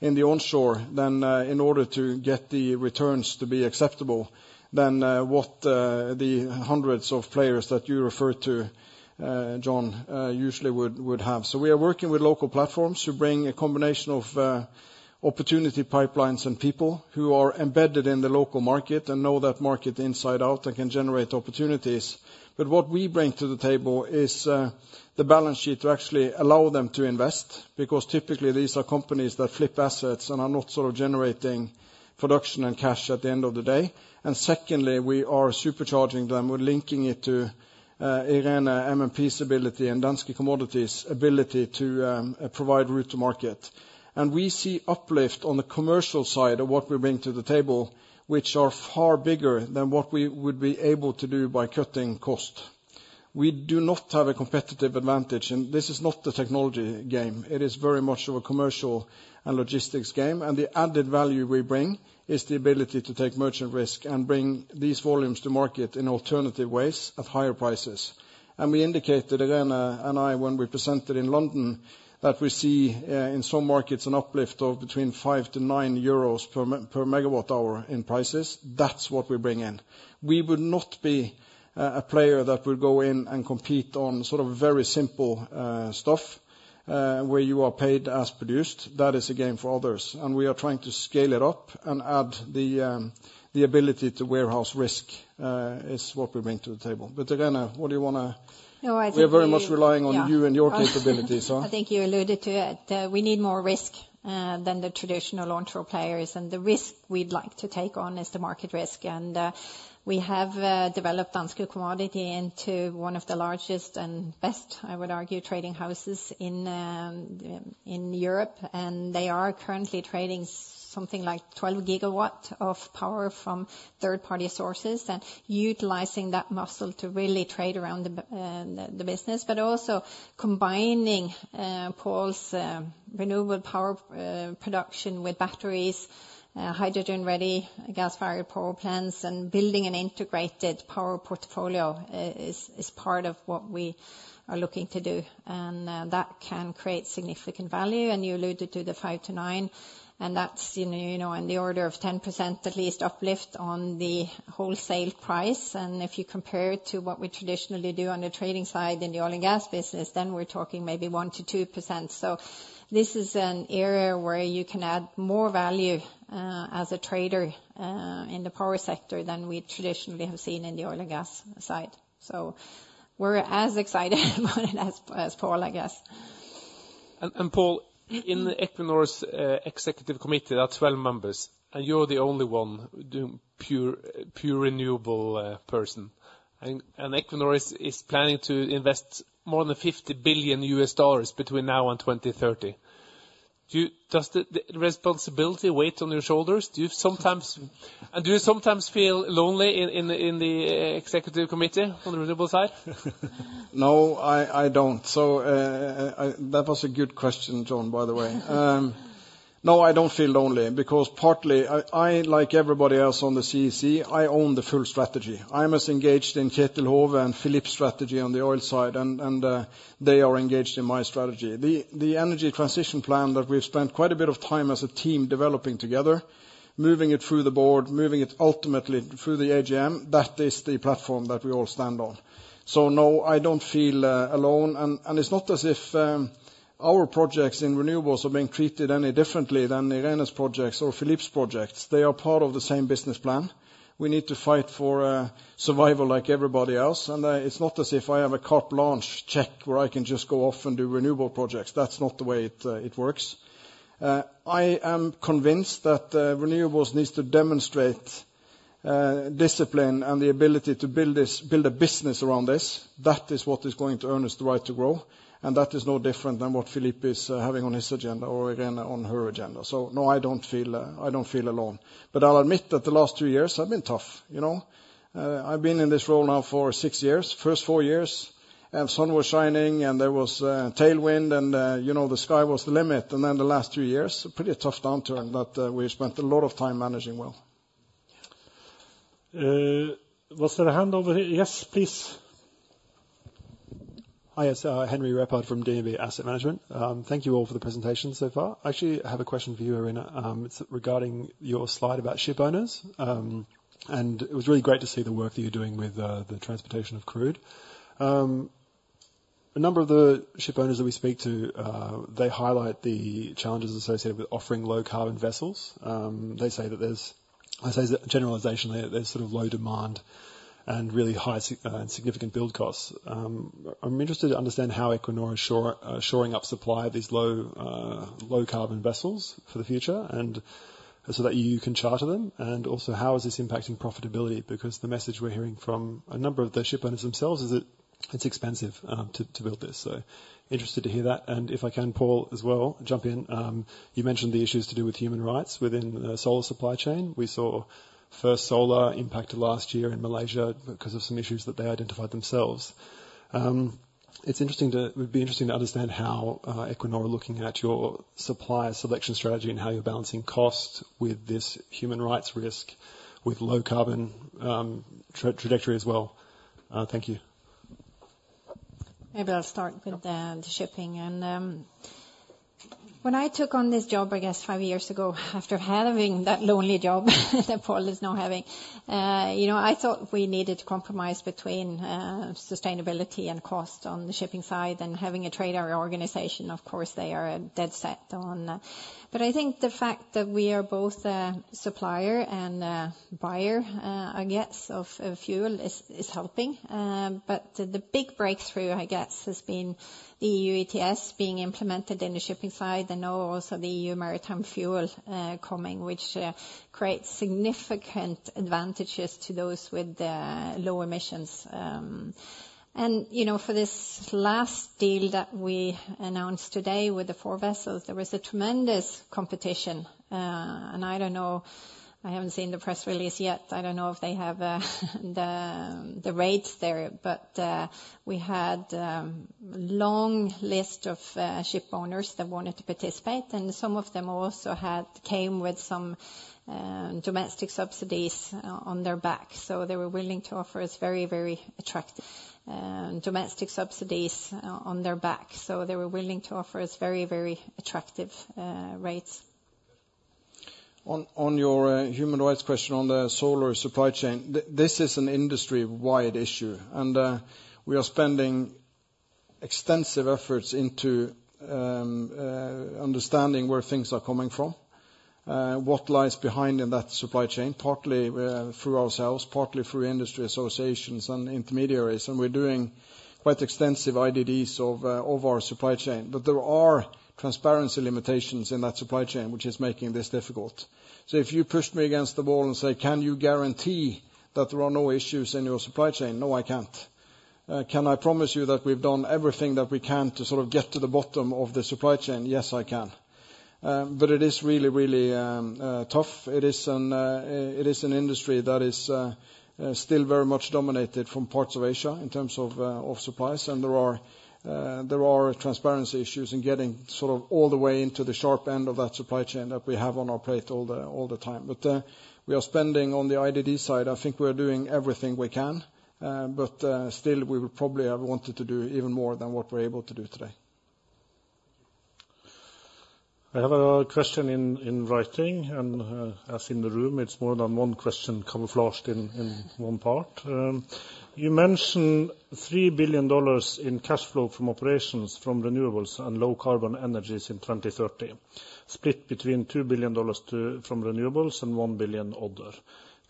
in the onshore than in order to get the returns to be acceptable than what the hundreds of players that you referred to, John, usually would have. We are working with local platforms who bring a combination of opportunity pipelines and people who are embedded in the local market and know that market inside out and can generate opportunities. What we bring to the table is the balance sheet to actually allow them to invest, because typically these are companies that flip assets and are not sort of generating production and cash at the end of the day. Secondly, we are supercharging them. We're linking it to Irene, M&P's ability and Danske Commodities ability to provide route to market. We see uplift on the commercial side of what we bring to the table, which are far bigger than what we would be able to do by cutting cost. We do not have a competitive advantage, and this is not the technology game. It is very much of a commercial and logistics game, and the added value we bring is the ability to take merchant risk and bring these volumes to market in alternative ways at higher prices. We indicated, Irene and I, when we presented in London, that we see in some markets an uplift of between 5-9 euros per MWh in prices. That's what we bring in. We would not be a player that will go in and compete on sort of very simple stuff where you are paid as produced. That is a game for others, and we are trying to scale it up and add the ability to warehouse risk is what we bring to the table. Irene, what do you wanna- No, I think you- We are very much relying on you and your capabilities. I think you alluded to it. We need more risk than the traditional onshore players, and the risk we'd like to take on is the market risk. We have developed Danske Commodities into one of the largest and best, I would argue, trading houses in Europe, and they are currently trading something like 12 gigawatt of power from third-party sources and utilizing that muscle to really trade around the business. Also combining Pål's renewable power production with batteries, hydrogen-ready gas-fired power plants and building an integrated power portfolio is part of what we are looking to do. That can create significant value. You alluded to the 5%-9%, and that's, you know, in the order of 10% at least uplift on the wholesale price. If you compare it to what we traditionally do on the trading side in the oil and gas business, then we're talking maybe 1%-2%. This is an area where you can add more value, as a trader, in the power sector than we traditionally have seen in the oil and gas side. We're as excited about it as Pål, I guess. Pål, in Equinor's executive committee are 12 members, and you're the only one doing pure renewable person. Equinor is planning to invest more than $50 billion between now and 2030. Does the responsibility weigh on your shoulders? Do you sometimes feel lonely in the executive committee on the renewable side? No, I don't. That was a good question, John, by the way. No, I don't feel lonely because partly I, like everybody else on the CEC, I own the full strategy. I'm as engaged in Kjetil Hove and Philippe's strategy on the oil side, and they are engaged in my strategy. The Energy Transition Plan that we've spent quite a bit of time as a team developing together, moving it through the board, moving it ultimately through the AGM, that is the platform that we all stand on. No, I don't feel alone. It's not as if our projects in renewables are being treated any differently than Irene's projects or Philippe's projects. They are part of the same business plan. We need to fight for survival like everybody else, and it's not as if I have a carte blanche check where I can just go off and do renewable projects. That's not the way it works. I am convinced that renewables needs to demonstrate discipline and the ability to build this, build a business around this. That is what is going to earn us the right to grow, and that is no different than what Philippe is having on his agenda or Irene on her agenda. No, I don't feel alone. I'll admit that the last two years have been tough, you know. I've been in this role now for six years. First four years, sun was shining and there was tailwind and, you know, the sky was the limit. The last two years, a pretty tough downturn that we spent a lot of time managing well. Was there a hand over here? Yes, please. Hi, it's Henry Repard from DNB Asset Management. Thank you all for the presentation so far. I actually have a question for you, Irene. It's regarding your slide about shipowners. It was really great to see the work that you're doing with the transportation of crude. A number of the shipowners that we speak to, they highlight the challenges associated with offering low-carbon vessels. They say that there's, as a generalization, sort of low demand and really high significant build costs. I'm interested to understand how Equinor is shoring up supply of these low-carbon vessels for the future and so that you can charter them. How is this impacting profitability? Because the message we're hearing from a number of the shipowners themselves is it's expensive to build this. Interested to hear that. If I can, Pål, as well, jump in. You mentioned the issues to do with human rights within the solar supply chain. We saw First Solar impacted last year in Malaysia because of some issues that they identified themselves. It would be interesting to understand how Equinor are looking at your supplier selection strategy and how you're balancing cost with this human rights risk with low carbon trajectory as well. Thank you. Maybe I'll start with the shipping. When I took on this job, I guess five years ago, after having that lonely job that Pål is now having, you know, I thought we needed to compromise between sustainability and cost on the shipping side and having a trader organization, of course, they are dead set on. I think the fact that we are both a supplier and a buyer, I guess, of fuel is helping. The big breakthrough, I guess, has been the EU ETS being implemented in the shipping side and also the FuelEU Maritime coming, which creates significant advantages to those with the low emissions. You know, for this last deal that we announced today with the four vessels, there was a tremendous competition. I don't know, I haven't seen the press release yet. I don't know if they have the rates there. We had long list of shipowners that wanted to participate, and some of them also had came with some domestic subsidies on their back. They were willing to offer us very, very attractive rates. On your human rights question on the solar supply chain, this is an industry-wide issue, and we are spending extensive efforts into understanding where things are coming from, what lies behind in that supply chain, partly through ourselves, partly through industry associations and intermediaries. We're doing quite extensive HRDDs of our supply chain. There are transparency limitations in that supply chain which are making this difficult. If you pushed me against the wall and say, "Can you guarantee that there are no issues in your supply chain?" No, I can't. Can I promise you that we've done everything that we can to sort of get to the bottom of the supply chain? Yes, I can. It is really tough. It is an industry that is still very much dominated from parts of Asia in terms of supplies. There are transparency issues in getting sort of all the way into the sharp end of that supply chain that we have on our plate all the time. We are spending on the HRDD side. I think we are doing everything we can, but still, we would probably have wanted to do even more than what we're able to do today. I have a question in writing, and as in the room, it's more than one question camouflaged in one part. You mentioned $3 billion in cash flow from operations from renewables and low carbon energies in 2030, split between $2 billion from renewables and $1 billion other.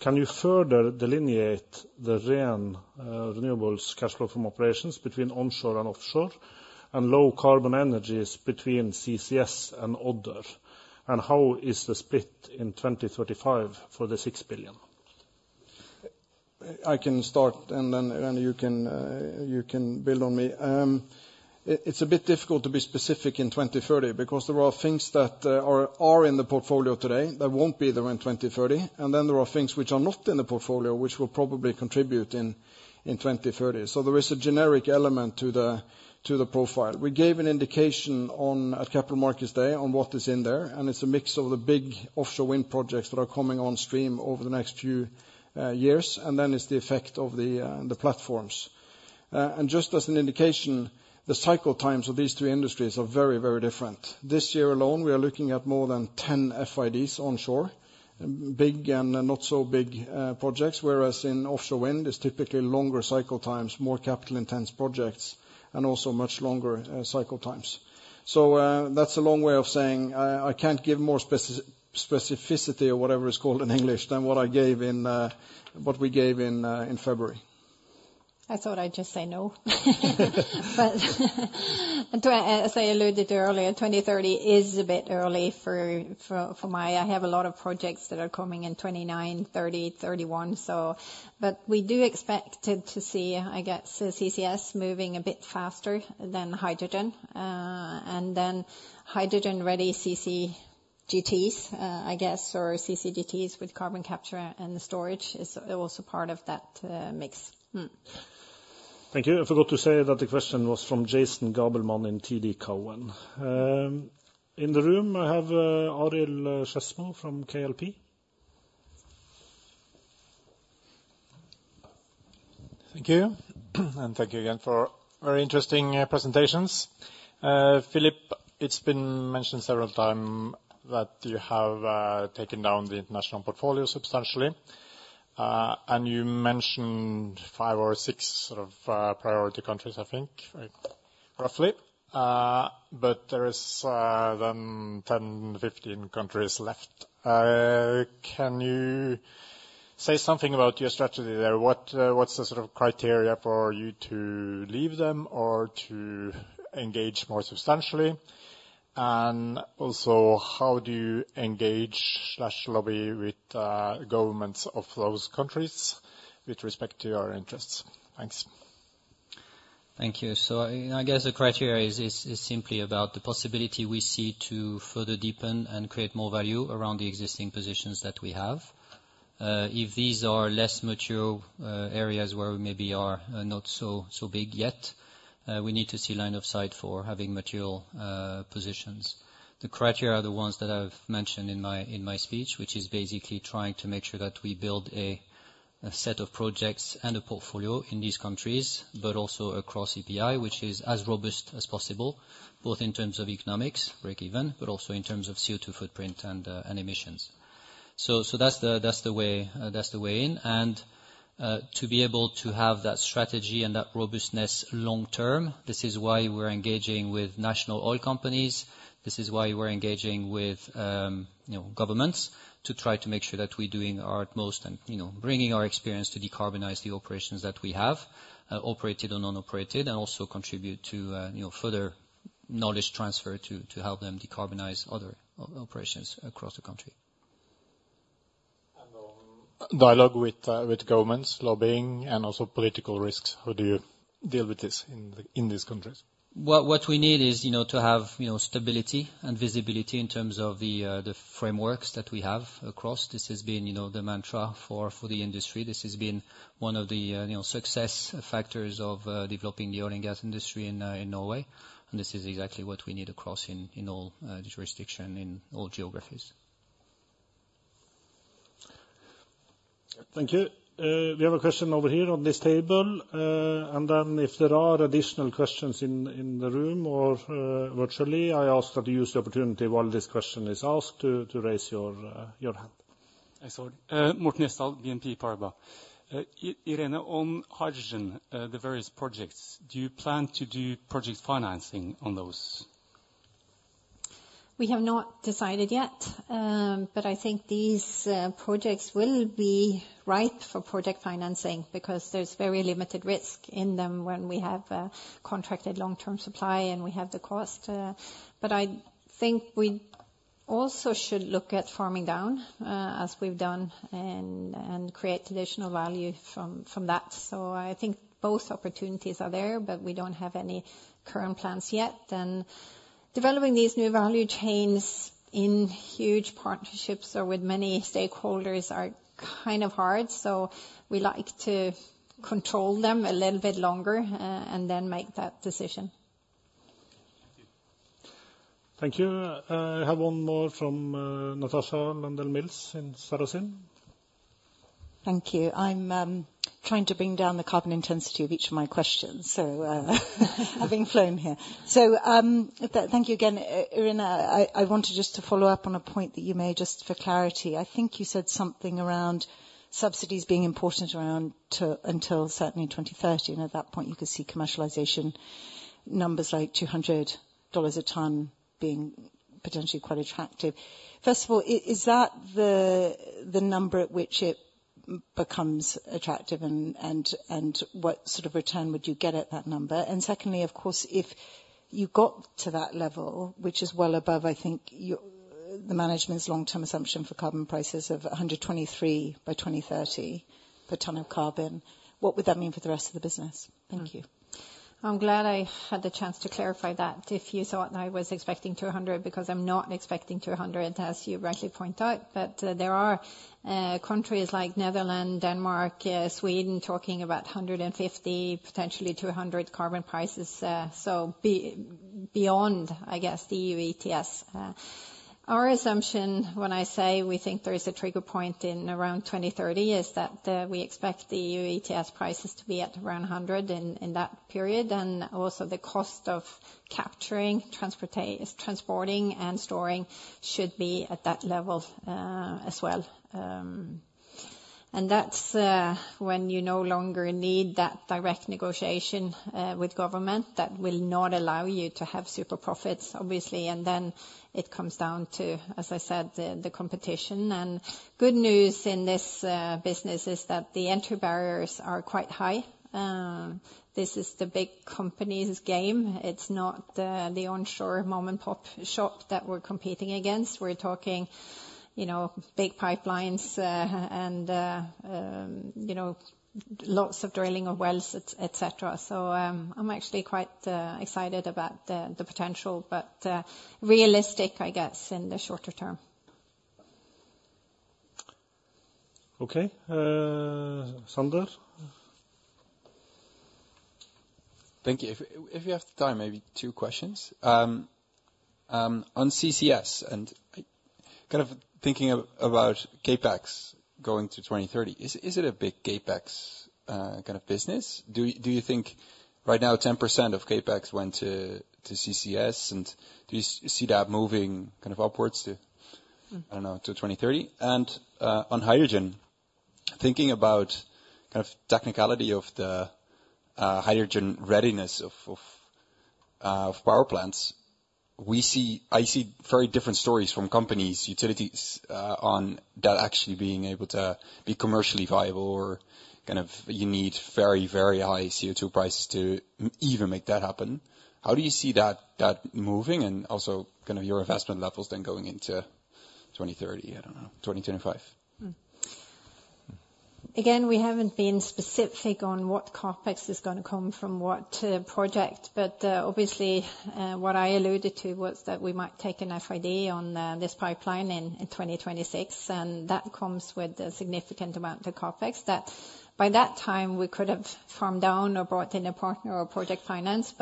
Can you further delineate the renewables cash flow from operations between onshore and offshore, and low carbon energies between CCS and other, and how is the split in 2035 for the $6 billion? I can start and then you can build on me. It's a bit difficult to be specific in 2030 because there are things that are in the portfolio today that won't be there in 2030, and then there are things which are not in the portfolio which will probably contribute in 2030. There is a generic element to the profile. We gave an indication on a capital markets day on what is in there, and it's a mix of the big offshore wind projects that are coming on stream over the next few years, and then it's the effect of the platforms. And just as an indication, the cycle times of these two industries are very different. This year alone, we are looking at more than 10 FIDs onshore, big and not so big, projects, whereas in offshore wind it's typically longer cycle times, more capital intense projects, and also much longer, cycle times. That's a long way of saying I can't give more specificity or whatever it's called in English than what I gave in, what we gave in February. I thought I'd just say no. To, as I alluded to earlier, 2030 is a bit early for my I have a lot of projects that are coming in 2029, 2030, 2031, so. We do expect to see, I guess, CCS moving a bit faster than hydrogen. And then hydrogen-ready CCGTs, I guess, or CCGTs with carbon capture and storage is also part of that mix. Thank you. I forgot to say that the question was from Jason Gabelman in TD Cowen. In the room, I have Arild Skedsmo from KLP. Thank you. Thank you again for very interesting presentations. Philippe, it's been mentioned several times that you have taken down the international portfolio substantially. You mentioned five or six sort of priority countries, I think, right, roughly. There is then 10, 15 countries left. Can you say something about your strategy there? What's the sort of criteria for you to leave them or to engage more substantially? How do you engage or lobby with governments of those countries with respect to your interests? Thanks. Thank you. I guess the criteria is simply about the possibility we see to further deepen and create more value around the existing positions that we have. If these are less mature areas where we maybe are not so big yet, we need to see line of sight for having material positions. The criteria are the ones that I've mentioned in my speech, which is basically trying to make sure that we build a set of projects and a portfolio in these countries, but also across EPI, which is as robust as possible, both in terms of economics, break even, but also in terms of CO2 footprint and emissions. That's the way in. To be able to have that strategy and that robustness long term, this is why we're engaging with national oil companies. This is why we're engaging with, you know, governments to try to make sure that we're doing our utmost and, you know, bringing our experience to decarbonize the operations that we have operated or non-operated, and also contribute to, you know, further knowledge transfer to help them decarbonize other operations across the country. On dialogue with governments, lobbying and also political risks, how do you deal with this in these countries? What we need is, you know, to have, you know, stability and visibility in terms of the frameworks that we have across. This has been, you know, the mantra for the industry. This has been one of the, you know, success factors of developing the oil and gas industry in Norway, and this is exactly what we need across in all jurisdictions, in all geographies. Thank you. We have a question over here on this table. If there are additional questions in the room or virtually, I ask that you use the opportunity while this question is asked to raise your hand. Sorry. Morten Gjesdahl, BNP Paribas. Irene Rummelhoff, on hydrogen, the various projects, do you plan to do project financing on those? We have not decided yet, but I think these projects will be right for project financing because there's very limited risk in them when we have contracted long-term supply and we have the cost. But I think we also should look at farming down, as we've done and create additional value from that. So I think both opportunities are there, but we don't have any current plans yet. Developing these new value chains in huge partnerships or with many stakeholders are kind of hard, so we like to control them a little bit longer and then make that decision. Thank you. Thank you. I have one more from Natasha Landell-Mills in Sarasin. Thank you. I'm trying to bring down the carbon intensity of each of my questions, so having flown here. Thank you again. Irene, I wanted just to follow up on a point that you made just for clarity. I think you said something about subsidies being important, until certainly 2030, and at that point you could see commercialization numbers like $200 a ton being potentially quite attractive. First of all, is that the number at which it becomes attractive and what sort of return would you get at that number? And secondly, of course, if you got to that level, which is well above, I think the management's long-term assumption for carbon prices of $123 by 2030 per ton of carbon, what would that mean for the rest of the business? Thank you. I'm glad I had the chance to clarify that. If you thought that I was expecting 200, because I'm not expecting 200, as you rightly point out. There are countries like Netherlands, Denmark, Sweden talking about 150, potentially 200 carbon prices, so beyond, I guess, the EU ETS. Our assumption when I say we think there is a trigger point in around 2030 is that we expect the EU ETS prices to be at around 100 in that period, and also the cost of capturing, transporting and storing should be at that level, as well. That's when you no longer need that direct negotiation with government, that will not allow you to have super profits, obviously. Then it comes down to, as I said, the competition. Good news in this business is that the entry barriers are quite high. This is the big company's game. It's not the onshore mom-and-pop shop that we're competing against. We're talking, you know, big pipelines, and you know, lots of drilling of wells, et cetera. I'm actually quite excited about the potential, but realistic, I guess, in the shorter term. Okay. Xander? Thank you. If you have the time, maybe two questions. On CCS, and kind of thinking about CapEx going to 2030, is it a big CapEx kind of business? Do you think right now, 10% of CapEx went to CCS, and do you see that moving kind of upwards to, I don't know, to 2030? On hydrogen, thinking about kind of technicality of the hydrogen readiness of power plants, I see very different stories from companies, utilities on that actually being able to be commercially viable or kind of you need very, very high CO2 prices to even make that happen. How do you see that moving and also kind of your investment levels then going into 2030, I don't know, 2025? Again, we haven't been specific on what CapEx is gonna come from what project. Obviously, what I alluded to was that we might take an FID on this pipeline in 2026, and that comes with a significant amount of CapEx that by that time we could have farmed down or brought in a partner or project finance.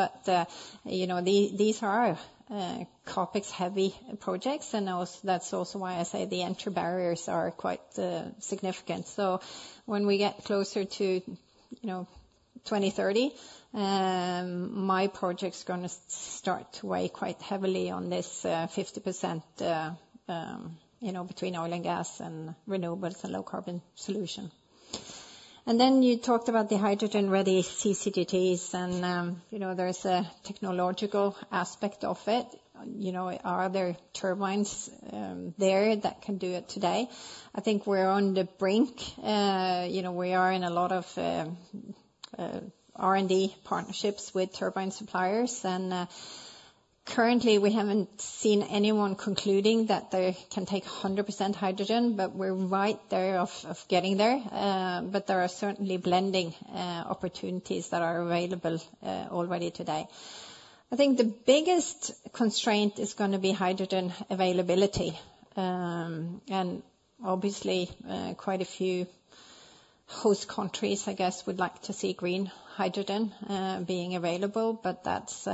You know, these are CapEx-heavy projects, and also that's also why I say the entry barriers are quite significant. When we get closer to 2030, my project's gonna start to weigh quite heavily on this 50%, you know, between oil and gas and renewables and low carbon solution. Then you talked about the hydrogen-ready CCGTs and, you know, there's a technological aspect of it. You know, are there turbines there that can do it today? I think we're on the brink. You know, we are in a lot of R&D partnerships with turbine suppliers. Currently we haven't seen anyone concluding that they can take 100% hydrogen, but we're right there of getting there. But there are certainly blending opportunities that are available already today. I think the biggest constraint is gonna be hydrogen availability. Obviously, quite a few host countries, I guess, would like to see green hydrogen being available, but that's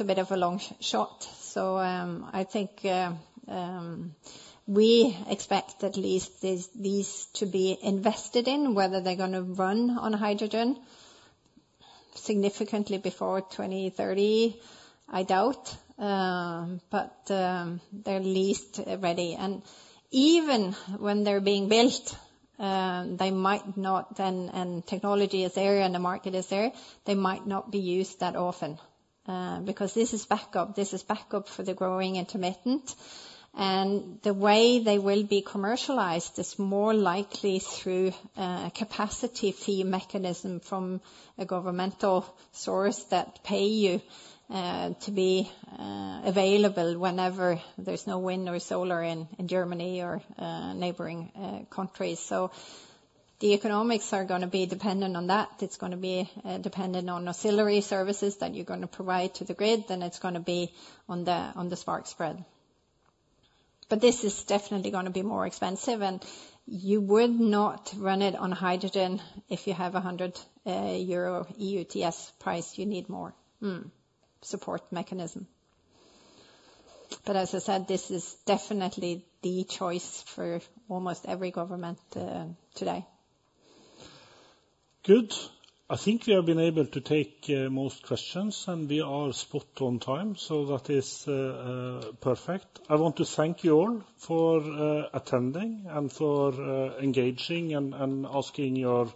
a bit of a long shot. I think we expect at least these to be invested in, whether they're gonna run on hydrogen significantly before 2030, I doubt. They're at least ready. Even when they're being built, they might not be used that often, because this is backup. This is backup for the growing intermittent. The way they will be commercialized is more likely through a capacity fee mechanism from a governmental source that pay you to be available whenever there's no wind or solar in Germany or neighboring countries. The economics are gonna be dependent on that. It's gonna be dependent on ancillary services that you're gonna provide to the grid, and it's gonna be on the spark spread. This is definitely gonna be more expensive, and you would not run it on hydrogen if you have 100 euro EU ETS price. You need more support mechanism. As I said, this is definitely the choice for almost every government today. Good. I think we have been able to take most questions, and we are spot on time, so that is perfect. I want to thank you all for attending and for engaging and asking your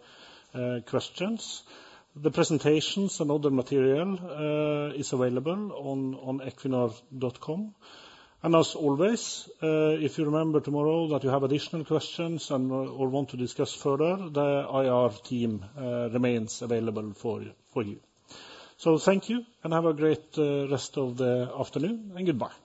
questions. The presentations and other material is available on equinor.com. As always, if you remember tomorrow that you have additional questions or want to discuss further, the IR team remains available for you. Thank you, and have a great rest of the afternoon, and goodbye.